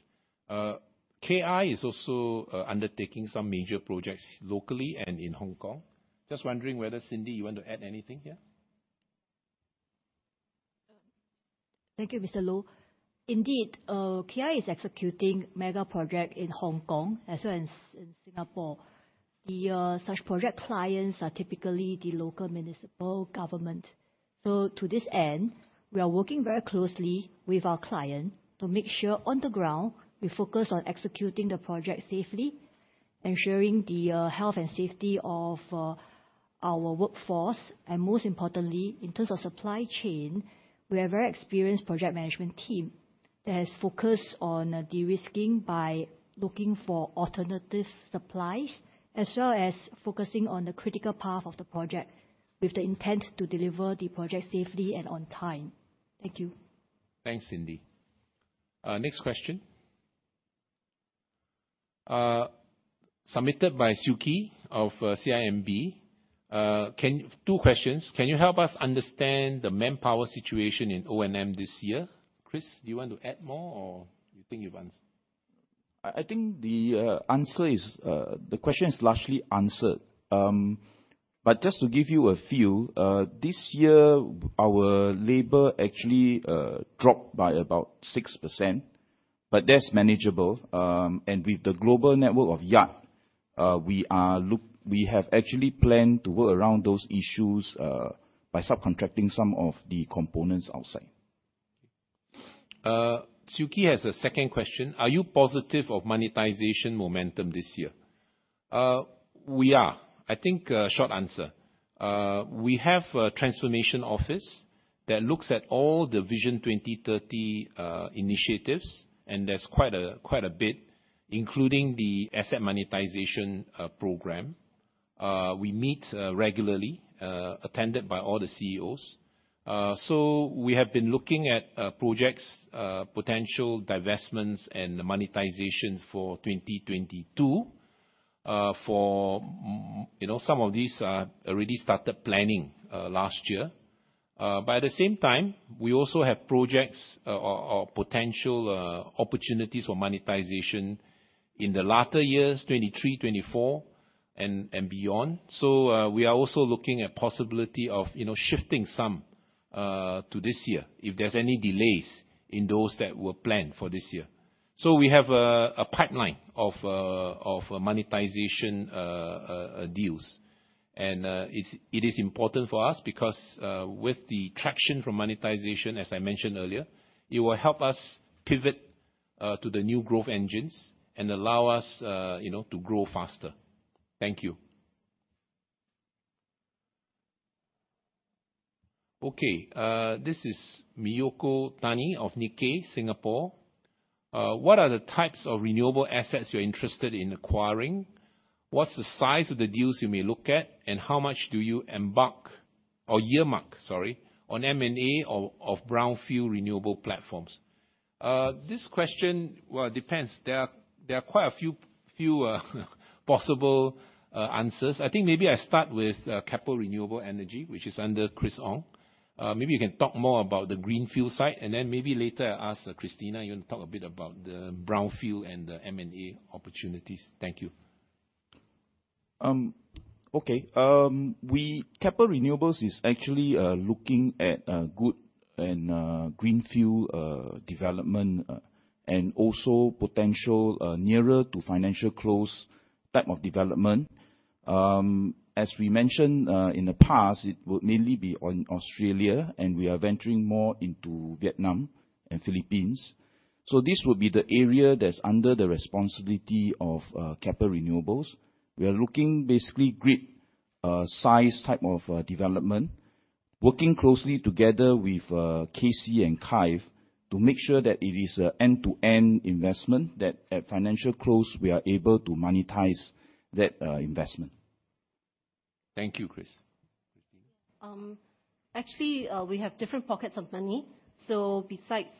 KI is also undertaking some major projects locally and in Hong Kong. Just wondering whether, Cindy, you want to add anything here? Thank you, Mr. Loh. Indeed, KI is executing mega project in Hong Kong as well as in Singapore. Such project clients are typically the local municipal government. To this end, we are working very closely with our client to make sure on the ground we focus on executing the project safely, ensuring the health and safety of our workforce, and most importantly in terms of supply chain, we have very experienced project management team that has focused on de-risking by looking for alternative supplies, as well as focusing on the critical path of the project with the intent to deliver the project safely and on time. Thank you. Thanks, Cindy. Next question submitted by Suki of CIMB. Can you help us understand the manpower situation in O&M this year? Chris, do you want to add more or you think you've answered? I think the question is largely answered. Just to give you a feel, this year our labor actually dropped by about 6%, but that's manageable. With the global network of yards, we have actually planned to work around those issues by subcontracting some of the components outside. Suki has a second question. Are you positive of monetization momentum this year? We are. I think, short answer. We have a transformation office that looks at all the Vision 2030 initiatives, and there's quite a bit, including the asset monetization program. We meet regularly, attended by all the CEOs. So we have been looking at projects, potential divestments and monetization for 2022. For, you know, some of these already started planning last year. But at the same time, we also have projects or potential opportunities for monetization in the latter years, 2023, 2024 and beyond. So we are also looking at possibility of, you know, shifting some to this year if there's any delays in those that were planned for this year. We have a pipeline of monetization deals. It is important for us because with the traction from monetization, as I mentioned earlier, it will help us pivot to the new growth engines and allow us, you know, to grow faster. Thank you. Okay, this is Mayuko Tani of Nikkei Singapore. What are the types of renewable assets you're interested in acquiring? What's the size of the deals you may look at, and how much do you earmark, sorry, on M&A of brownfield renewable platforms? This question, well, depends. There are quite a few possible answers. I think maybe I start with Keppel Renewable Energy, which is under Chris Ong. Maybe you can talk more about the greenfield side, and then maybe later I ask Christina, you want to talk a bit about the brownfield and the M&A opportunities. Thank you. Keppel Renewable Energy is actually looking at brownfield and greenfield development and also potential nearer to financial close type of development. As we mentioned in the past, it will mainly be in Australia, and we are venturing more into Vietnam and Philippines. This will be the area that's under the responsibility of Keppel Renewable Energy. We are looking basically grid-size type of development, working closely together with KC and KI to make sure that it is an end-to-end investment, that at financial close we are able to monetize that investment. Thank you, Chris. Christina. Actually, we have different pockets of money. Besides,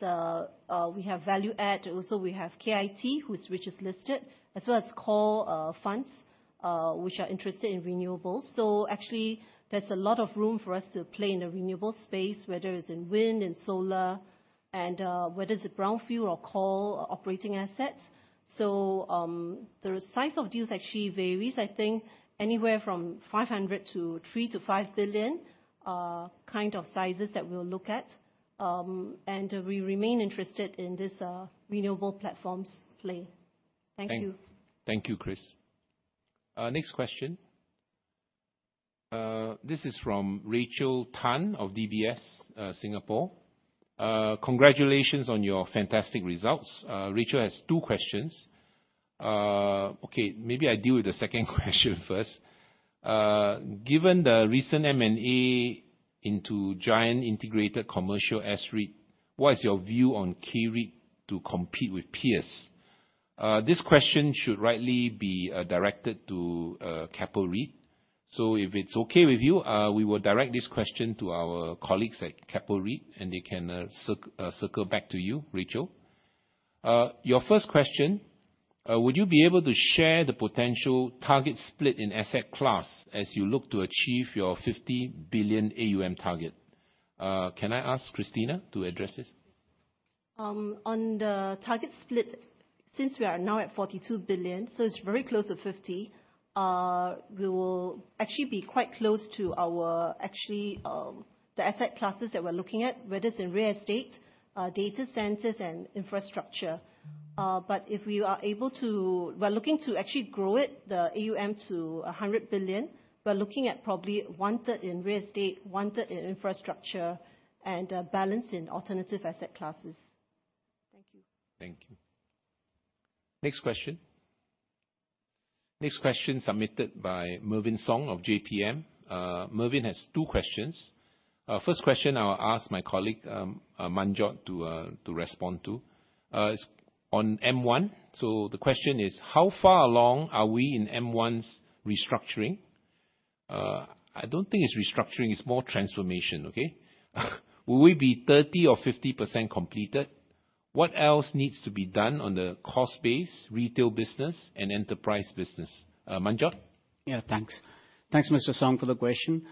we have value add. Also, we have KIT, which is listed, as well as core funds which are interested in renewables. Actually there's a lot of room for us to play in the renewable space, whether it's in wind and solar, and whether it's brownfield or core operating assets. The size of deals actually varies. I think anywhere from 500 million-3 billion-SGD 5 billion kind of sizes that we'll look at. We remain interested in this renewable platforms play. Thank you. Thank you, Chris. Next question. This is from Rachel Tan of DBS, Singapore. Congratulations on your fantastic results. Rachel has two questions. Okay, maybe I deal with the second question first. Given the recent M&A into giant integrated commercial S-REIT, what is your view on KRE to compete with peers? This question should rightly be directed to Keppel REIT. So if it's okay with you, we will direct this question to our colleagues at Keppel REIT, and they can circle back to you, Rachel. Your first question, would you be able to share the potential target split in asset class as you look to achieve your 50 billion AUM target? Can I ask Christina to address this? On the target split, since we are now at 42 billion, so it's very close to 50 billion, we will actually be quite close to our actually, the asset classes that we're looking at, whether it's in real estate, data centers and infrastructure. If we are able to, we're looking to actually grow it, the AUM to 100 billion. We're looking at probably one-third in real estate, one-third in infrastructure and balance in alternative asset classes. Thank you. Thank you. Next question. Next question submitted by Mervin Song of JPM. Mervin has two questions. First question I'll ask my colleague, Manjot to respond to. It's on M1. The question is, "How far along are we in M1's restructuring?" I don't think it's restructuring, it's more transformation, okay? "Will it be 30% or 50% completed? What else needs to be done on the cost base, retail business and enterprise business?" Manjot? Yeah, thanks. Thanks, Mr. Song, for the question.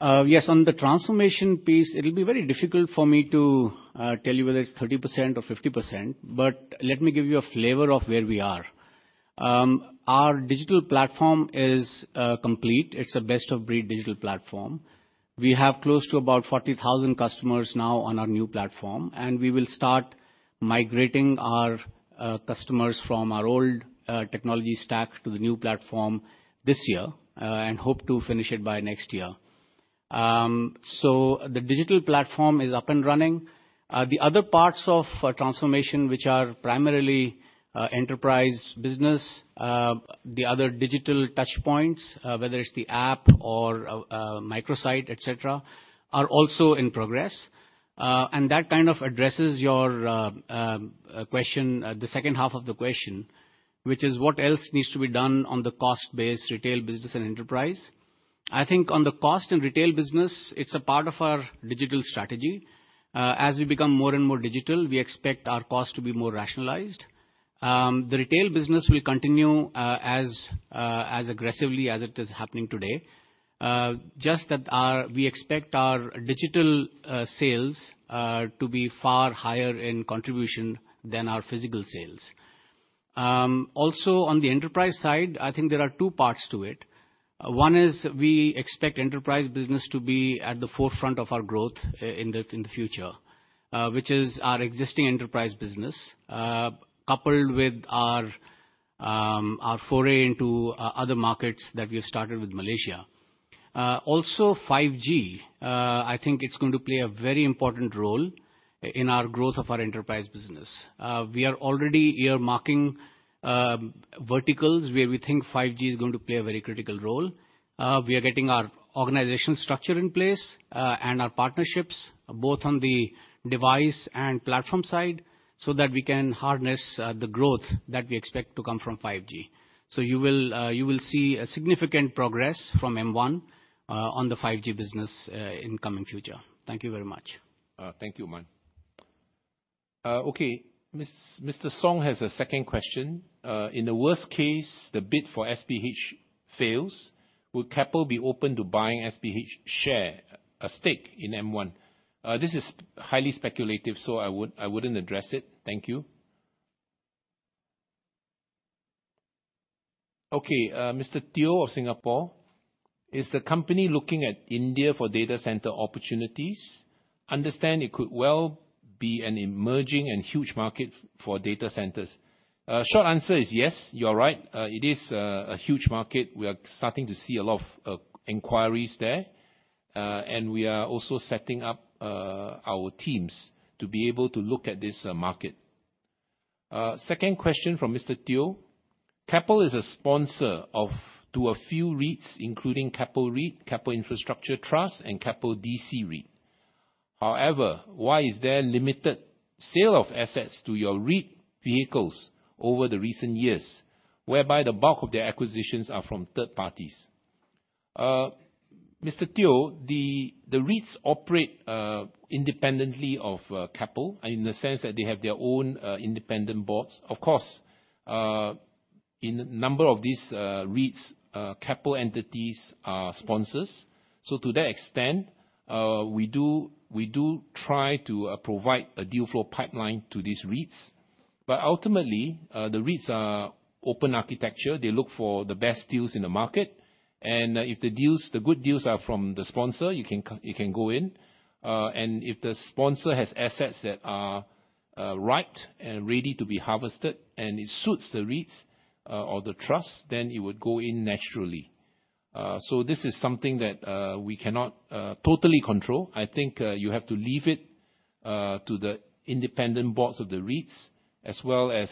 Yes, on the transformation piece, it'll be very difficult for me to tell you whether it's 30% or 50%, but let me give you a flavor of where we are. Our digital platform is complete. It's a best-of-breed digital platform. We have close to about 40,000 customers now on our new platform, and we will start migrating our customers from our old technology stack to the new platform this year, and hope to finish it by next year. The digital platform is up and running. The other parts of transformation which are primarily enterprise business, the other digital touch points, whether it's the app or micro-site, et cetera, are also in progress. That kind of addresses your question, the second half of the question, which is what else needs to be done on the cost base, retail business and enterprise. I think on the cost and retail business, it's a part of our digital strategy. As we become more and more digital, we expect our cost to be more rationalized. The retail business will continue as aggressively as it is happening today. Just that, we expect our digital sales to be far higher in contribution than our physical sales. Also on the enterprise side, I think there are two parts to it. One is we expect enterprise business to be at the forefront of our growth in the future, which is our existing enterprise business, coupled with our foray into other markets that we have started with Malaysia. Also, 5G, I think it's going to play a very important role in our growth of our enterprise business. We are already earmarking verticals where we think 5G is going to play a very critical role. We are getting our organization structure in place, and our partnerships, both on the device and platform side, so that we can harness the growth that we expect to come from 5G. You will see significant progress from M1 on the 5G business in coming future. Thank you very much. Thank you, Man. Okay. Mr. Song has a second question. In the worst case, the bid for SPH fails, will Keppel be open to buying SPH shares or a stake in M1? This is highly speculative, so I wouldn't address it. Thank you. Okay, Mr. Teo of Singapore, is the company looking at India for data center opportunities? I understand it could well be an emerging and huge market for data centers. Short answer is yes, you are right. It is a huge market. We are starting to see a lot of inquiries there. We are also setting up our teams to be able to look at this market. Second question from Mr. Teo, Keppel is a sponsor to a few REITs, including Keppel REIT, Keppel Infrastructure Trust, and Keppel DC REIT. However, why is there limited sale of assets to your REIT vehicles over the recent years, whereby the bulk of the acquisitions are from third parties? Mr. Teo, the REITs operate independently of Keppel in the sense that they have their own independent boards. Of course, in a number of these REITs, Keppel entities are sponsors. So to that extent, we do try to provide a deal flow pipeline to these REITs. But ultimately, the REITs are open architecture. They look for the best deals in the market, and if the deals, the good deals are from the sponsor, you can go in. If the sponsor has assets that are right and ready to be harvested, and it suits the REITs or the trust, then it would go in naturally. This is something that we cannot totally control. I think you have to leave it to the independent boards of the REITs as well as,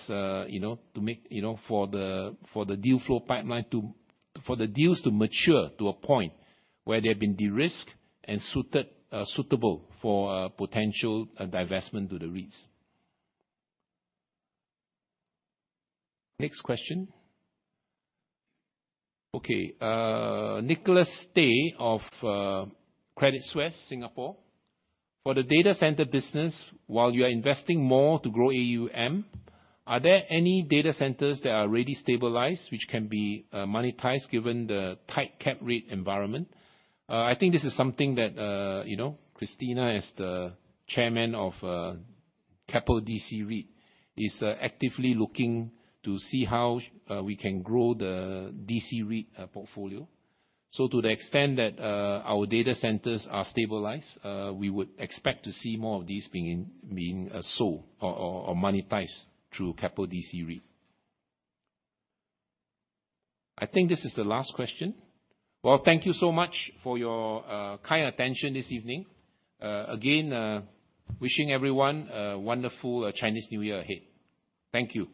you know, for the deal flow pipeline. For the deals to mature to a point where they have been de-risked and suitable for potential divestment to the REITs. Next question. Okay. Nicholas Tay of Credit Suisse, Singapore. For the data center business, while you are investing more to grow AUM, are there any data centers that are already stabilized which can be monetized given the tight cap rate environment? I think this is something that, you know, Christina as the Chairman of Keppel DC REIT, is actively looking to see how we can grow the DC REIT portfolio. To the extent that our data centers are stabilized, we would expect to see more of these being sold or monetized through Keppel DC REIT. I think this is the last question. Well, thank you so much for your kind attention this evening. Again, wishing everyone a wonderful Chinese New Year ahead. Thank you.